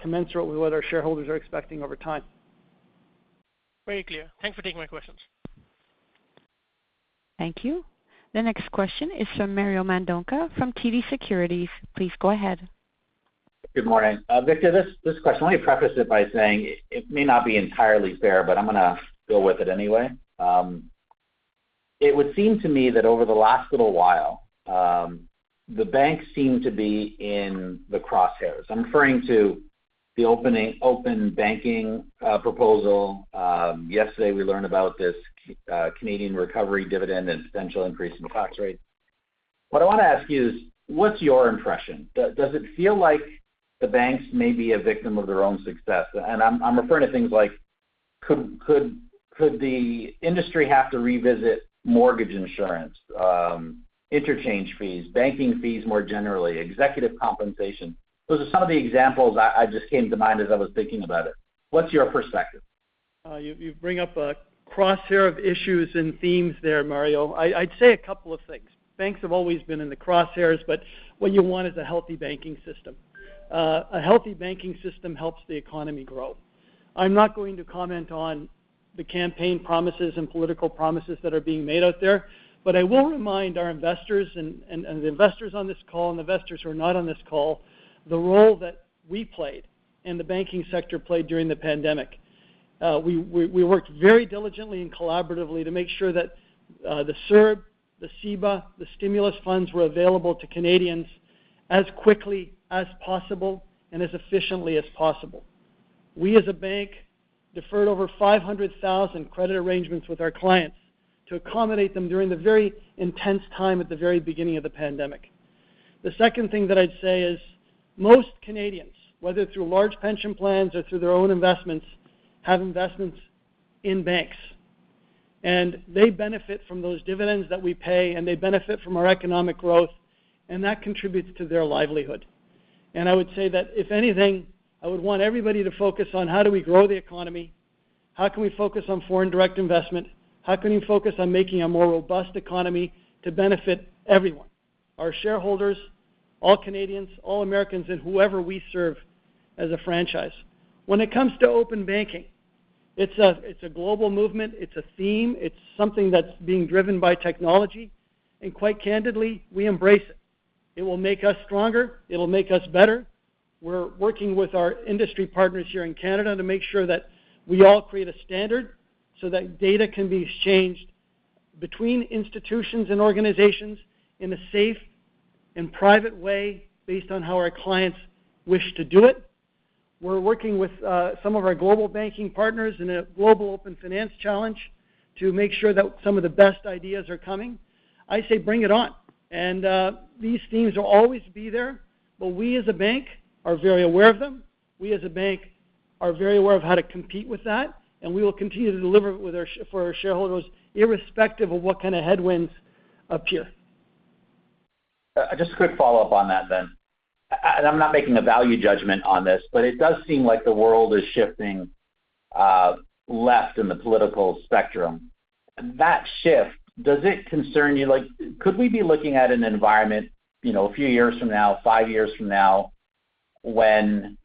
Speaker 3: commensurate with what our shareholders are expecting over time.
Speaker 13: Very clear. Thanks for taking my questions.
Speaker 1: Thank you. The next question is from Mario Mendonca from TD Securities. Please go ahead.
Speaker 14: Good morning. Victor, this question, let me preface it by saying it may not be entirely fair, but I'm going to go with it anyway. It would seem to me that over the last little while, the banks seem to be in the crosshairs. I'm referring to the open banking proposal. Yesterday we learned about this Canada Recovery Dividend and potential increase in tax rates. What I want to ask you is, what's your impression? Does it feel like the banks may be a victim of their own success? I'm referring to things like could the industry have to revisit mortgage insurance, interchange fees, banking fees more generally, executive compensation? Those are some of the examples that just came to mind as I was thinking about it. What's your perspective?
Speaker 3: You bring up a crosshair of issues and themes there, Mario. I'd say a couple of things. Banks have always been in the crosshairs, but what you want is a healthy banking system. A healthy banking system helps the economy grow. I'm not going to comment on the campaign promises and political promises that are being made out there, but I will remind our investors and the investors on this call, and investors who are not on this call, the role that we played and the banking sector played during the pandemic. We worked very diligently and collaboratively to make sure that the CERB, the CEBA, the stimulus funds were available to Canadians as quickly as possible and as efficiently as possible. We, as a bank, deferred over 500,000 credit arrangements with our clients to accommodate them during the very intense time at the very beginning of the pandemic. The second thing that I'd say is most Canadians, whether through large pension plans or through their own investments, have investments in banks, and they benefit from those dividends that we pay, and they benefit from our economic growth, and that contributes to their livelihood. I would say that, if anything, I would want everybody to focus on how do we grow the economy, how can we focus on foreign direct investment, how can we focus on making a more robust economy to benefit everyone, our shareholders, all Canadians, all Americans, and whoever we serve as a franchise. When it comes to open banking, it's a global movement. It's a theme. It's something that's being driven by technology, and quite candidly, we embrace it. It will make us stronger. It'll make us better. We're working with our industry partners here in Canada to make sure that we all create a standard so that data can be exchanged between institutions and organizations in a safe and private way based on how our clients wish to do it. We're working with some of our global banking partners in a Global Open Finance Challenge to make sure that some of the best ideas are coming. I say bring it on. These themes will always be there, but we, as a bank, are very aware of them. We, as a bank, are very aware of how to compete with that, and we will continue to deliver for our shareholders irrespective of what kind of headwinds appear.
Speaker 14: Just a quick follow-up on that, then. I'm not making a value judgment on this, but it does seem like the world is shifting left in the political spectrum. That shift, does it concern you? Could we be looking at an environment a few years from now, five years from now, when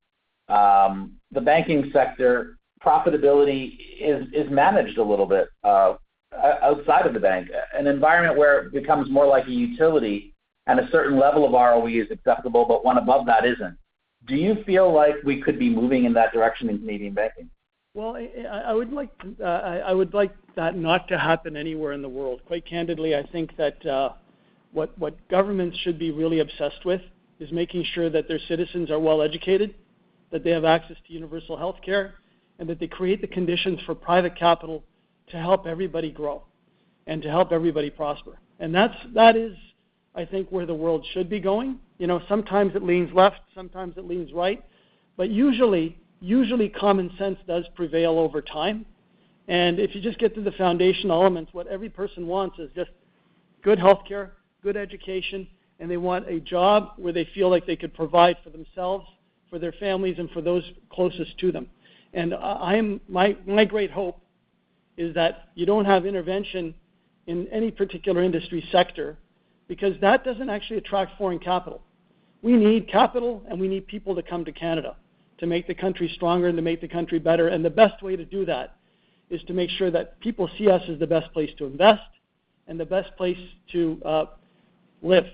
Speaker 14: the banking sector profitability is managed a little bit outside of the bank, an environment where it becomes more like a utility and a certain level of ROE is acceptable, but one above that isn't. Do you feel like we could be moving in that direction in Canadian banking?
Speaker 3: Well, I would like that not to happen anywhere in the world. Quite candidly, I think that what governments should be really obsessed with is making sure that their citizens are well-educated, that they have access to universal healthcare, and that they create the conditions for private capital to help everybody grow and to help everybody prosper. That is, I think, where the world should be going. Sometimes it leans left, sometimes it leans right, but usually, common sense does prevail over time. If you just get to the foundational elements, what every person wants is just good healthcare, good education, and they want a job where they feel like they could provide for themselves, for their families, and for those closest to them. My great hope is that you don't have intervention in any particular industry sector, because that doesn't actually attract foreign capital. We need capital, we need people to come to Canada to make the country stronger and to make the country better. The best way to do that is to make sure that people see us as the best place to invest and the best place to live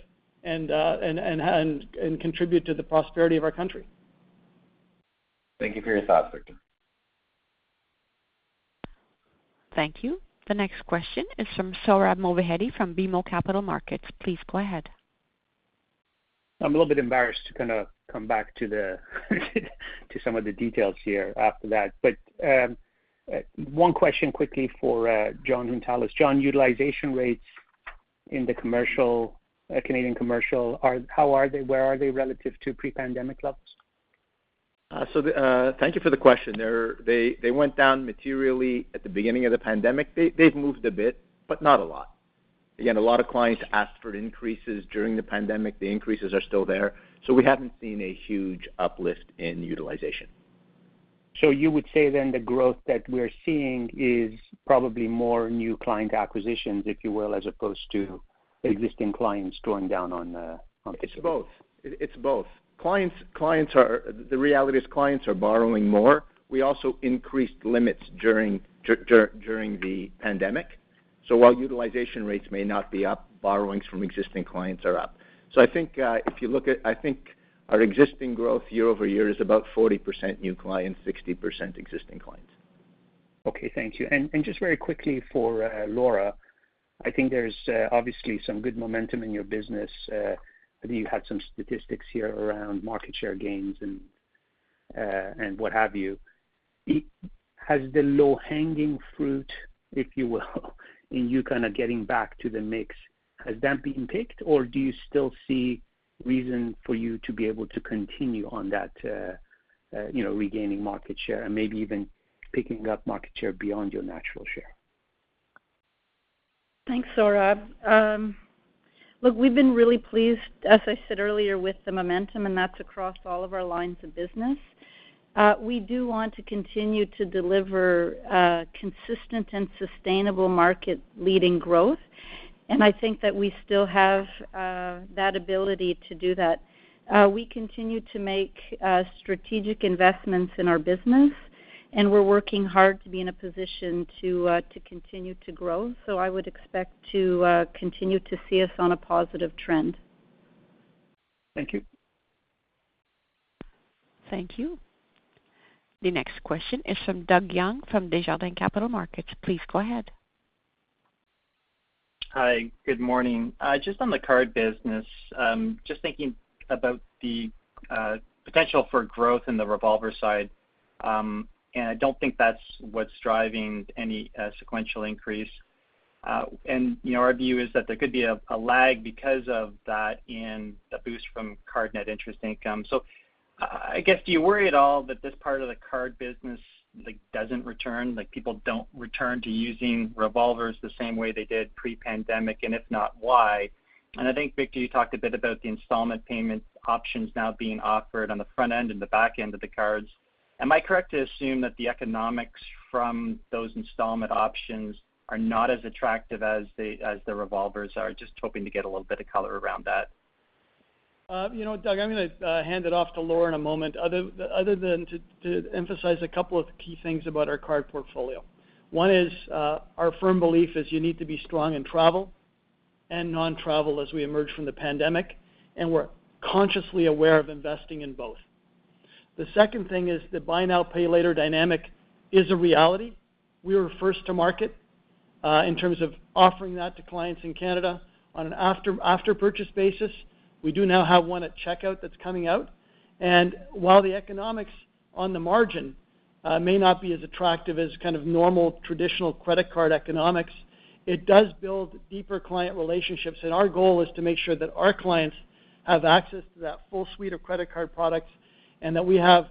Speaker 3: and contribute to the prosperity of our country.
Speaker 14: Thank you for your thoughts, Victor.
Speaker 1: Thank you. The next question is from Sohrab Movahedi from BMO Capital Markets. Please go ahead.
Speaker 15: I'm a little bit embarrassed to kind of come back to the some of the details here after that. One question quickly for Jon Hountalas. Jon, utilization rates in the Canadian commercial, how are they? Where are they relative to pre-pandemic levels?
Speaker 8: Thank you for the question there. They went down materially at the beginning of the pandemic. They've moved a bit, but not a lot. A lot of clients asked for increases during the pandemic. The increases are still there. We haven't seen a huge uplift in utilization.
Speaker 15: You would say the growth that we're seeing is probably more new client acquisitions, if you will, as opposed to existing clients going down.
Speaker 8: It's both. The reality is clients are borrowing more. We also increased limits during the pandemic. While utilization rates may not be up, borrowings from existing clients are up. I think our existing growth year-over-year is about 40% new clients, 60% existing clients.
Speaker 15: Okay. Thank you. Just very quickly for Laura, I think there's obviously some good momentum in your business. I think you had some statistics here around market share gains and what have you. Has the low-hanging fruit, if you will, in you kind of getting back to the mix, has that been picked, or do you still see reason for you to be able to continue on that regaining market share and maybe even picking up market share beyond your natural share?
Speaker 11: Thanks, Sohrab. Look, we've been really pleased, as I said earlier, with the momentum, and that's across all of our lines of business. We do want to continue to deliver consistent and sustainable market-leading growth. I think that we still have that ability to do that. We continue to make strategic investments in our business. We're working hard to be in a position to continue to grow. I would expect to continue to see us on a positive trend.
Speaker 15: Thank you.
Speaker 1: Thank you. The next question is from Doug Young, from Desjardins Capital Markets. Please go ahead.
Speaker 16: Hi. Good morning. On the card business, just thinking about the potential for growth in the revolver side. I don't think that's what's driving any sequential increase. Our view is that there could be a lag because of that in the boost from card net interest income. I guess, do you worry at all that this part of the card business doesn't return, like people don't return to using revolvers the same way they did pre-pandemic, and if not, why? I think, Victor, you talked a bit about the installment payment options now being offered on the front end and the back end of the cards. Am I correct to assume that the economics from those installment options are not as attractive as the revolvers are? Hoping to get a little bit of color around that.
Speaker 3: Doug, I'm going to hand it off to Laura in a moment, other than to emphasize a couple of key things about our card portfolio. One is our firm belief is you need to be strong in travel and non-travel as we emerge from the pandemic, and we're consciously aware of investing in both. The second thing is the buy now, pay later dynamic is a reality. We were first to market in terms of offering that to clients in Canada on an after-purchase basis. We do now have one at checkout that's coming out. While the economics on the margin may not be as attractive as kind of normal, traditional credit card economics, it does build deeper client relationships. Our goal is to make sure that our clients have access to that full suite of credit card products, and that we have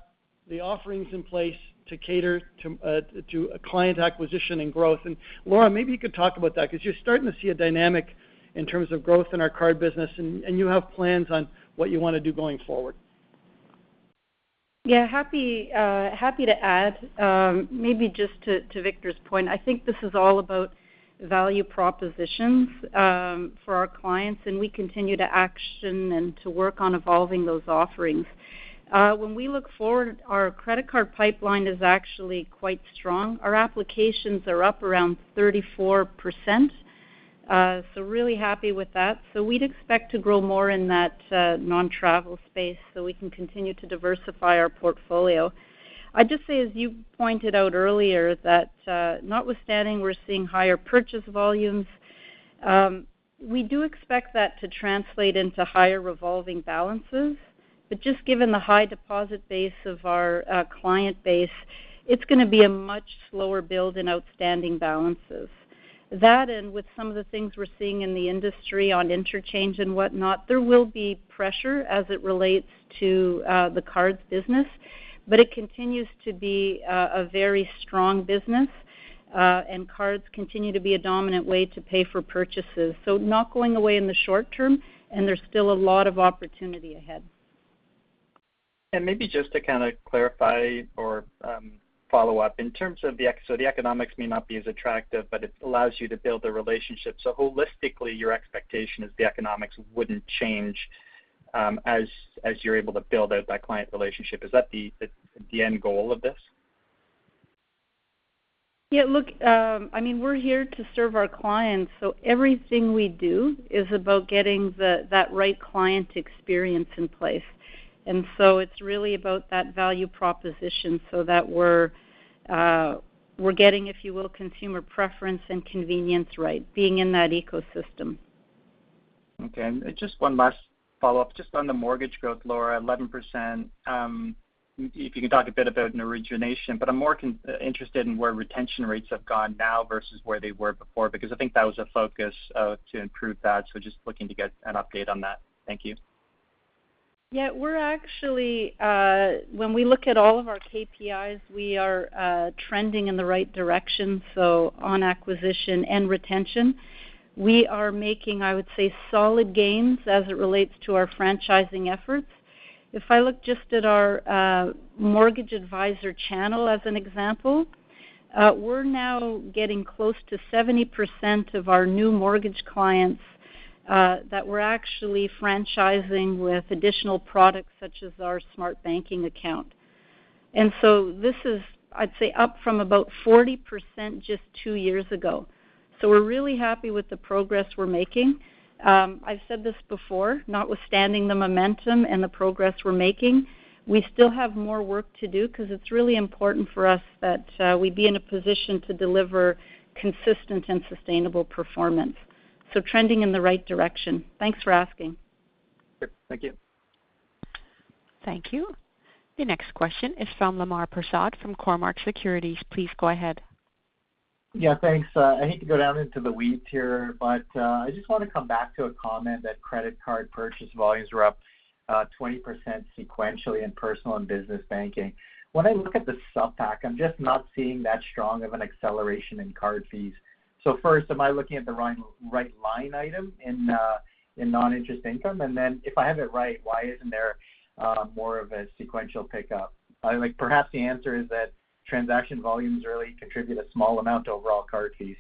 Speaker 3: the offerings in place to cater to client acquisition and growth. Laura, maybe you could talk about that, because you're starting to see a dynamic in terms of growth in our card business, and you have plans on what you want to do going forward.
Speaker 11: Yeah, happy to add. Maybe just to Victor's point, I think this is all about value propositions for our clients, and we continue to action and to work on evolving those offerings. When we look forward, our credit card pipeline is actually quite strong. Our applications are up around 34%, so really happy with that. We'd expect to grow more in that non-travel space so we can continue to diversify our portfolio. I'd just say, as you pointed out earlier, that notwithstanding we're seeing higher purchase volumes, we do expect that to translate into higher revolving balances. Just given the high deposit base of our client base, it's going to be a much slower build in outstanding balances. That, with some of the things we're seeing in the industry on interchange and whatnot, there will be pressure as it relates to the cards business. It continues to be a very strong business, and cards continue to be a dominant way to pay for purchases. Not going away in the short term, and there is still a lot of opportunity ahead.
Speaker 16: Maybe just to kind of clarify or follow up, so the economics may not be as attractive, but it allows you to build a relationship. Holistically, your expectation is the economics wouldn't change as you're able to build out that client relationship. Is that the end goal of this?
Speaker 11: Look, we're here to serve our clients, so everything we do is about getting that right client experience in place. It's really about that value proposition so that we're getting, if you will, consumer preference and convenience right, being in that ecosystem.
Speaker 16: Okay. Just one last follow-up, just on the mortgage growth, Laura, 11%, if you could talk a bit about origination. I'm more interested in where retention rates have gone now versus where they were before, because I think that was a focus to improve that. Just looking to get an update on that. Thank you.
Speaker 11: Yeah, when we look at all of our KPIs, we are trending in the right direction. On acquisition and retention, we are making, I would say, solid gains as it relates to our franchising efforts. If I look just at our mortgage advisor channel as an example, we're now getting close to 70% of our new mortgage clients that we're actually franchising with additional products such as our smart banking account. This is, I'd say, up from about 40% just two years ago. We're really happy with the progress we're making. I've said this before, notwithstanding the momentum and the progress we're making, we still have more work to do because it's really important for us that we be in a position to deliver consistent and sustainable performance. Trending in the right direction. Thanks for asking.
Speaker 16: Sure. Thank you.
Speaker 1: Thank you. The next question is from Lemar Persaud from Cormark Securities. Please go ahead.
Speaker 17: Thanks. I hate to go down into the weeds here, but I just want to come back to a comment that credit card purchase volumes were up 20% sequentially in Personal and Business Banking. When I look at the [supp pack], I'm just not seeing that strong of an acceleration in card fees. First, am I looking at the right line item in non-interest income? Then if I have it right, why isn't there more of a sequential pickup? Perhaps the answer is that transaction volumes really contribute a small amount to overall card fees.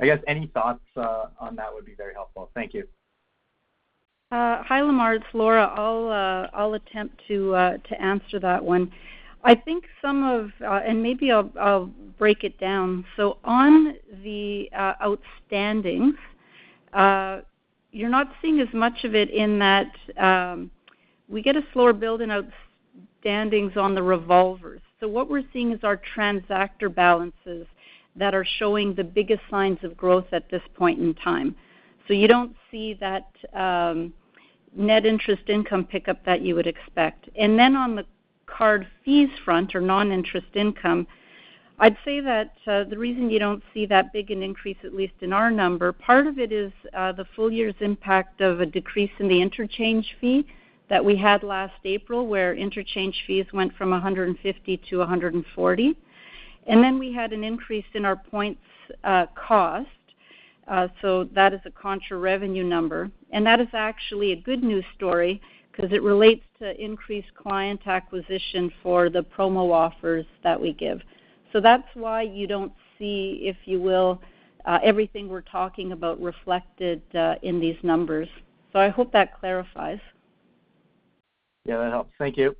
Speaker 17: I guess any thoughts on that would be very helpful. Thank you.
Speaker 11: Hi, Lemar. It's Laura. I'll attempt to answer that one. Maybe I'll break it down. On the outstandings, you're not seeing as much of it in that we get a slower build in outstandings on the revolvers. What we're seeing is our transactor balances that are showing the biggest signs of growth at this point in time. You don't see that net interest income pickup that you would expect. On the card fees front or non-interest income, I'd say that the reason you don't see that big an increase, at least in our number, part of it is the full year's impact of a decrease in the interchange fee that we had last April, where interchange fees went from 150 to 140. Then we had an increase in our points cost. That is a contra revenue number, and that is actually a good news story because it relates to increased client acquisition for the promo offers that we give. That's why you don't see, if you will, everything we're talking about reflected in these numbers. I hope that clarifies.
Speaker 17: Yeah, that helps. Thank you.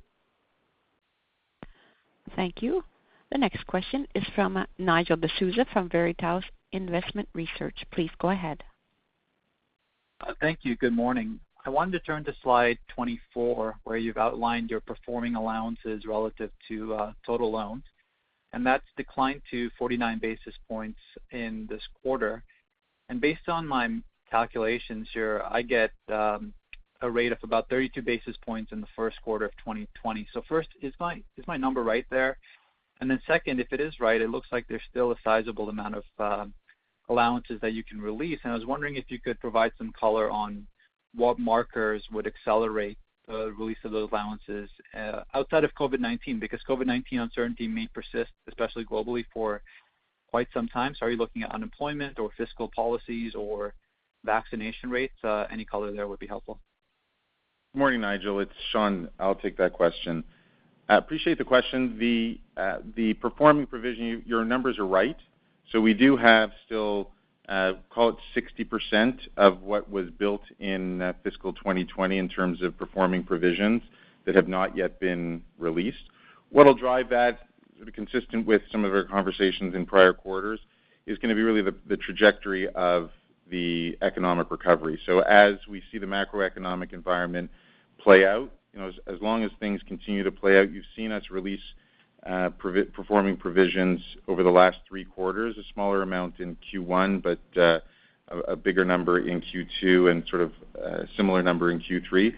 Speaker 1: Thank you. The next question is from Nigel D'Souza from Veritas Investment Research. Please go ahead.
Speaker 18: Thank you. Good morning. I wanted to turn to slide 24, where you've outlined your performing allowances relative to total loans, and that's declined to 49 basis points in this quarter. Based on my calculations here, I get a rate of about 32 basis points in the first quarter of 2020. First, is my number right there? Second, if it is right, it looks like there's still a sizable amount of allowances that you can release, and I was wondering if you could provide some color on what markers would accelerate the release of those allowances outside of COVID-19, because COVID-19 uncertainty may persist, especially globally, for quite some time. Are you looking at unemployment or fiscal policies or vaccination rates? Any color there would be helpful.
Speaker 5: Morning, Nigel. It's Shawn. I'll take that question. I appreciate the question. The performing provision, your numbers are right. We do have still, call it 60% of what was built in fiscal 2020 in terms of performing provisions that have not yet been released. What will drive that, sort of consistent with some of our conversations in prior quarters, is going to be really the trajectory of the economic recovery. As we see the macroeconomic environment play out, as long as things continue to play out, you've seen us release performing provisions over the last three quarters, a smaller amount in Q1, but a bigger number in Q2, and sort of similar number in Q3.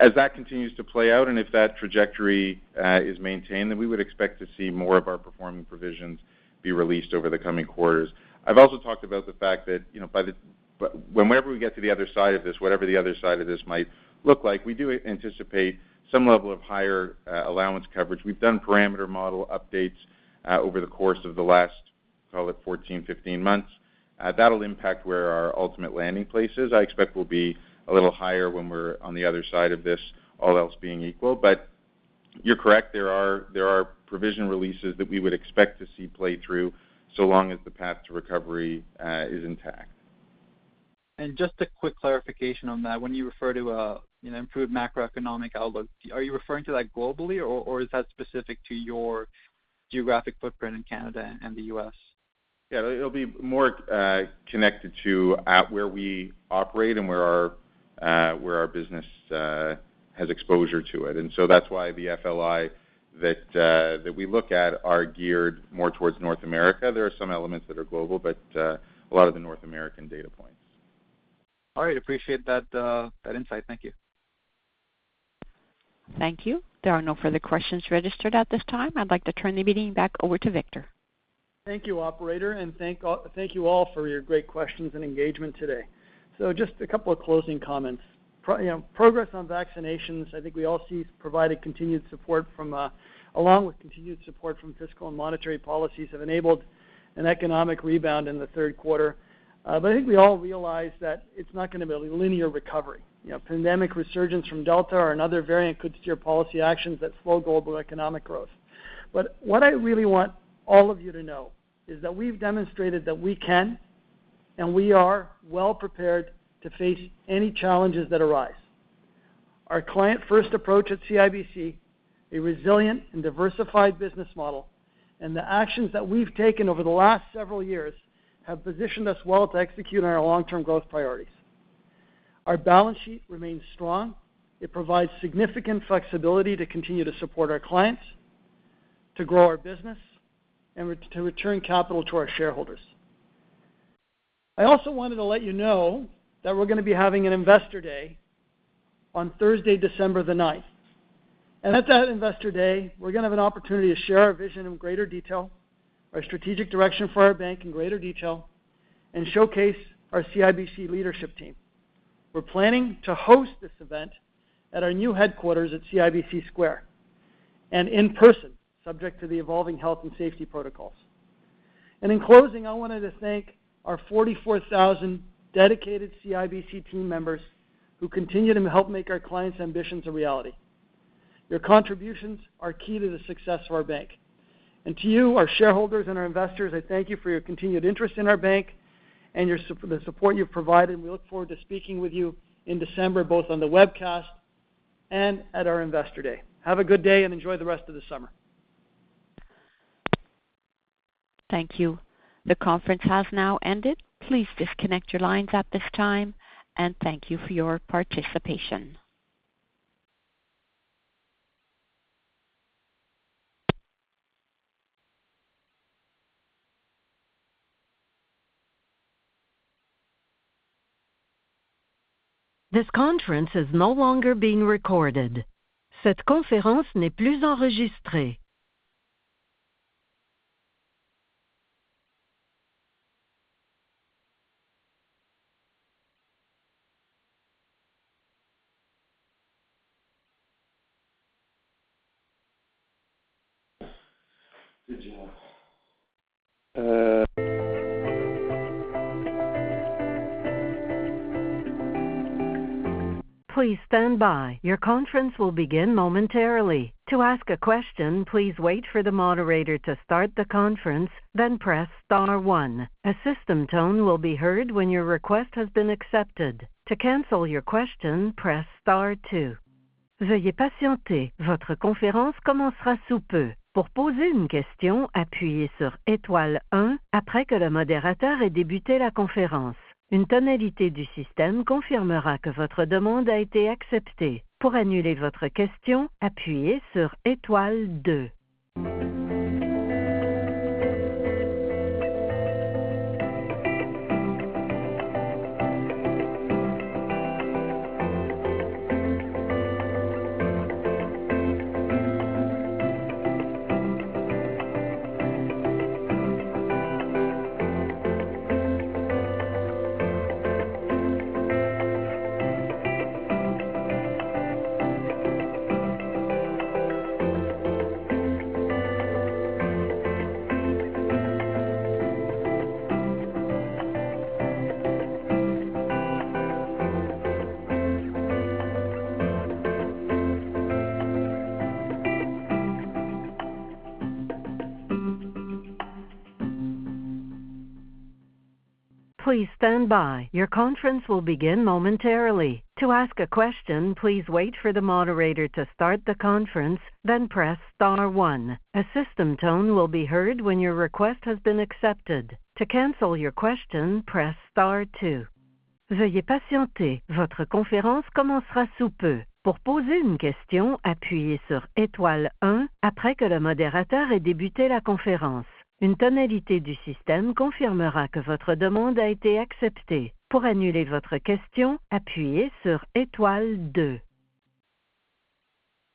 Speaker 5: As that continues to play out, if that trajectory is maintained, we would expect to see more of our performing provisions be released over the coming quarters. I've also talked about the fact that whenever we get to the other side of this, whatever the other side of this might look like, we do anticipate some level of higher allowance coverage. We've done parameter model updates over the course of the last, call it 14, 15 months. That'll impact where our ultimate landing place is. I expect we'll be a little higher when we're on the other side of this, all else being equal. You're correct, there are provision releases that we would expect to see play through so long as the path to recovery is intact.
Speaker 18: Just a quick clarification on that. When you refer to improved macroeconomic outlook, are you referring to that globally or is that specific to your geographic footprint in Canada and the U.S.?
Speaker 5: Yeah, it will be more connected to where we operate and where our business has exposure to it. That's why the FLI that we look at are geared more towards North America. There are some elements that are global, but a lot of the North American data points.
Speaker 18: All right. Appreciate that insight. Thank you.
Speaker 1: Thank you. There are no further questions registered at this time. I'd like to turn the meeting back over to Victor.
Speaker 3: Thank you, operator, and thank you all for your great questions and engagement today. Just a couple of closing comments. Progress on vaccinations, I think we all see, provided continued support along with continued support from fiscal and monetary policies have enabled an economic rebound in the third quarter. I think we all realize that it's not going to be a linear recovery. Pandemic resurgence from Delta or another variant could steer policy actions that slow global economic growth. What I really want all of you to know is that we've demonstrated that we can, and we are well prepared to face any challenges that arise. Our client-first approach at CIBC, a resilient and diversified business model, and the actions that we've taken over the last several years have positioned us well to execute on our long-term growth priorities. Our balance sheet remains strong. It provides significant flexibility to continue to support our clients, to grow our business, and to return capital to our shareholders. I also wanted to let you know that we're going to be having an Investor Day on Thursday, December the 9th. At that Investor Day, we're going to have an opportunity to share our vision in greater detail, our strategic direction for our bank in greater detail, and showcase our CIBC leadership team. We're planning to host this event at our new headquarters at CIBC Square, in person, subject to the evolving health and safety protocols. In closing, I wanted to thank our 44,000 dedicated CIBC team members who continue to help make our clients' ambitions a reality. Your contributions are key to the success of our bank. To you, our shareholders and our investors, I thank you for your continued interest in our bank and the support you've provided, and we look forward to speaking with you in December, both on the webcast and at our Investor Day. Have a good day and enjoy the rest of the summer.
Speaker 1: Thank you. The conference has now ended. Please disconnect your lines at this time, and thank you for your participation.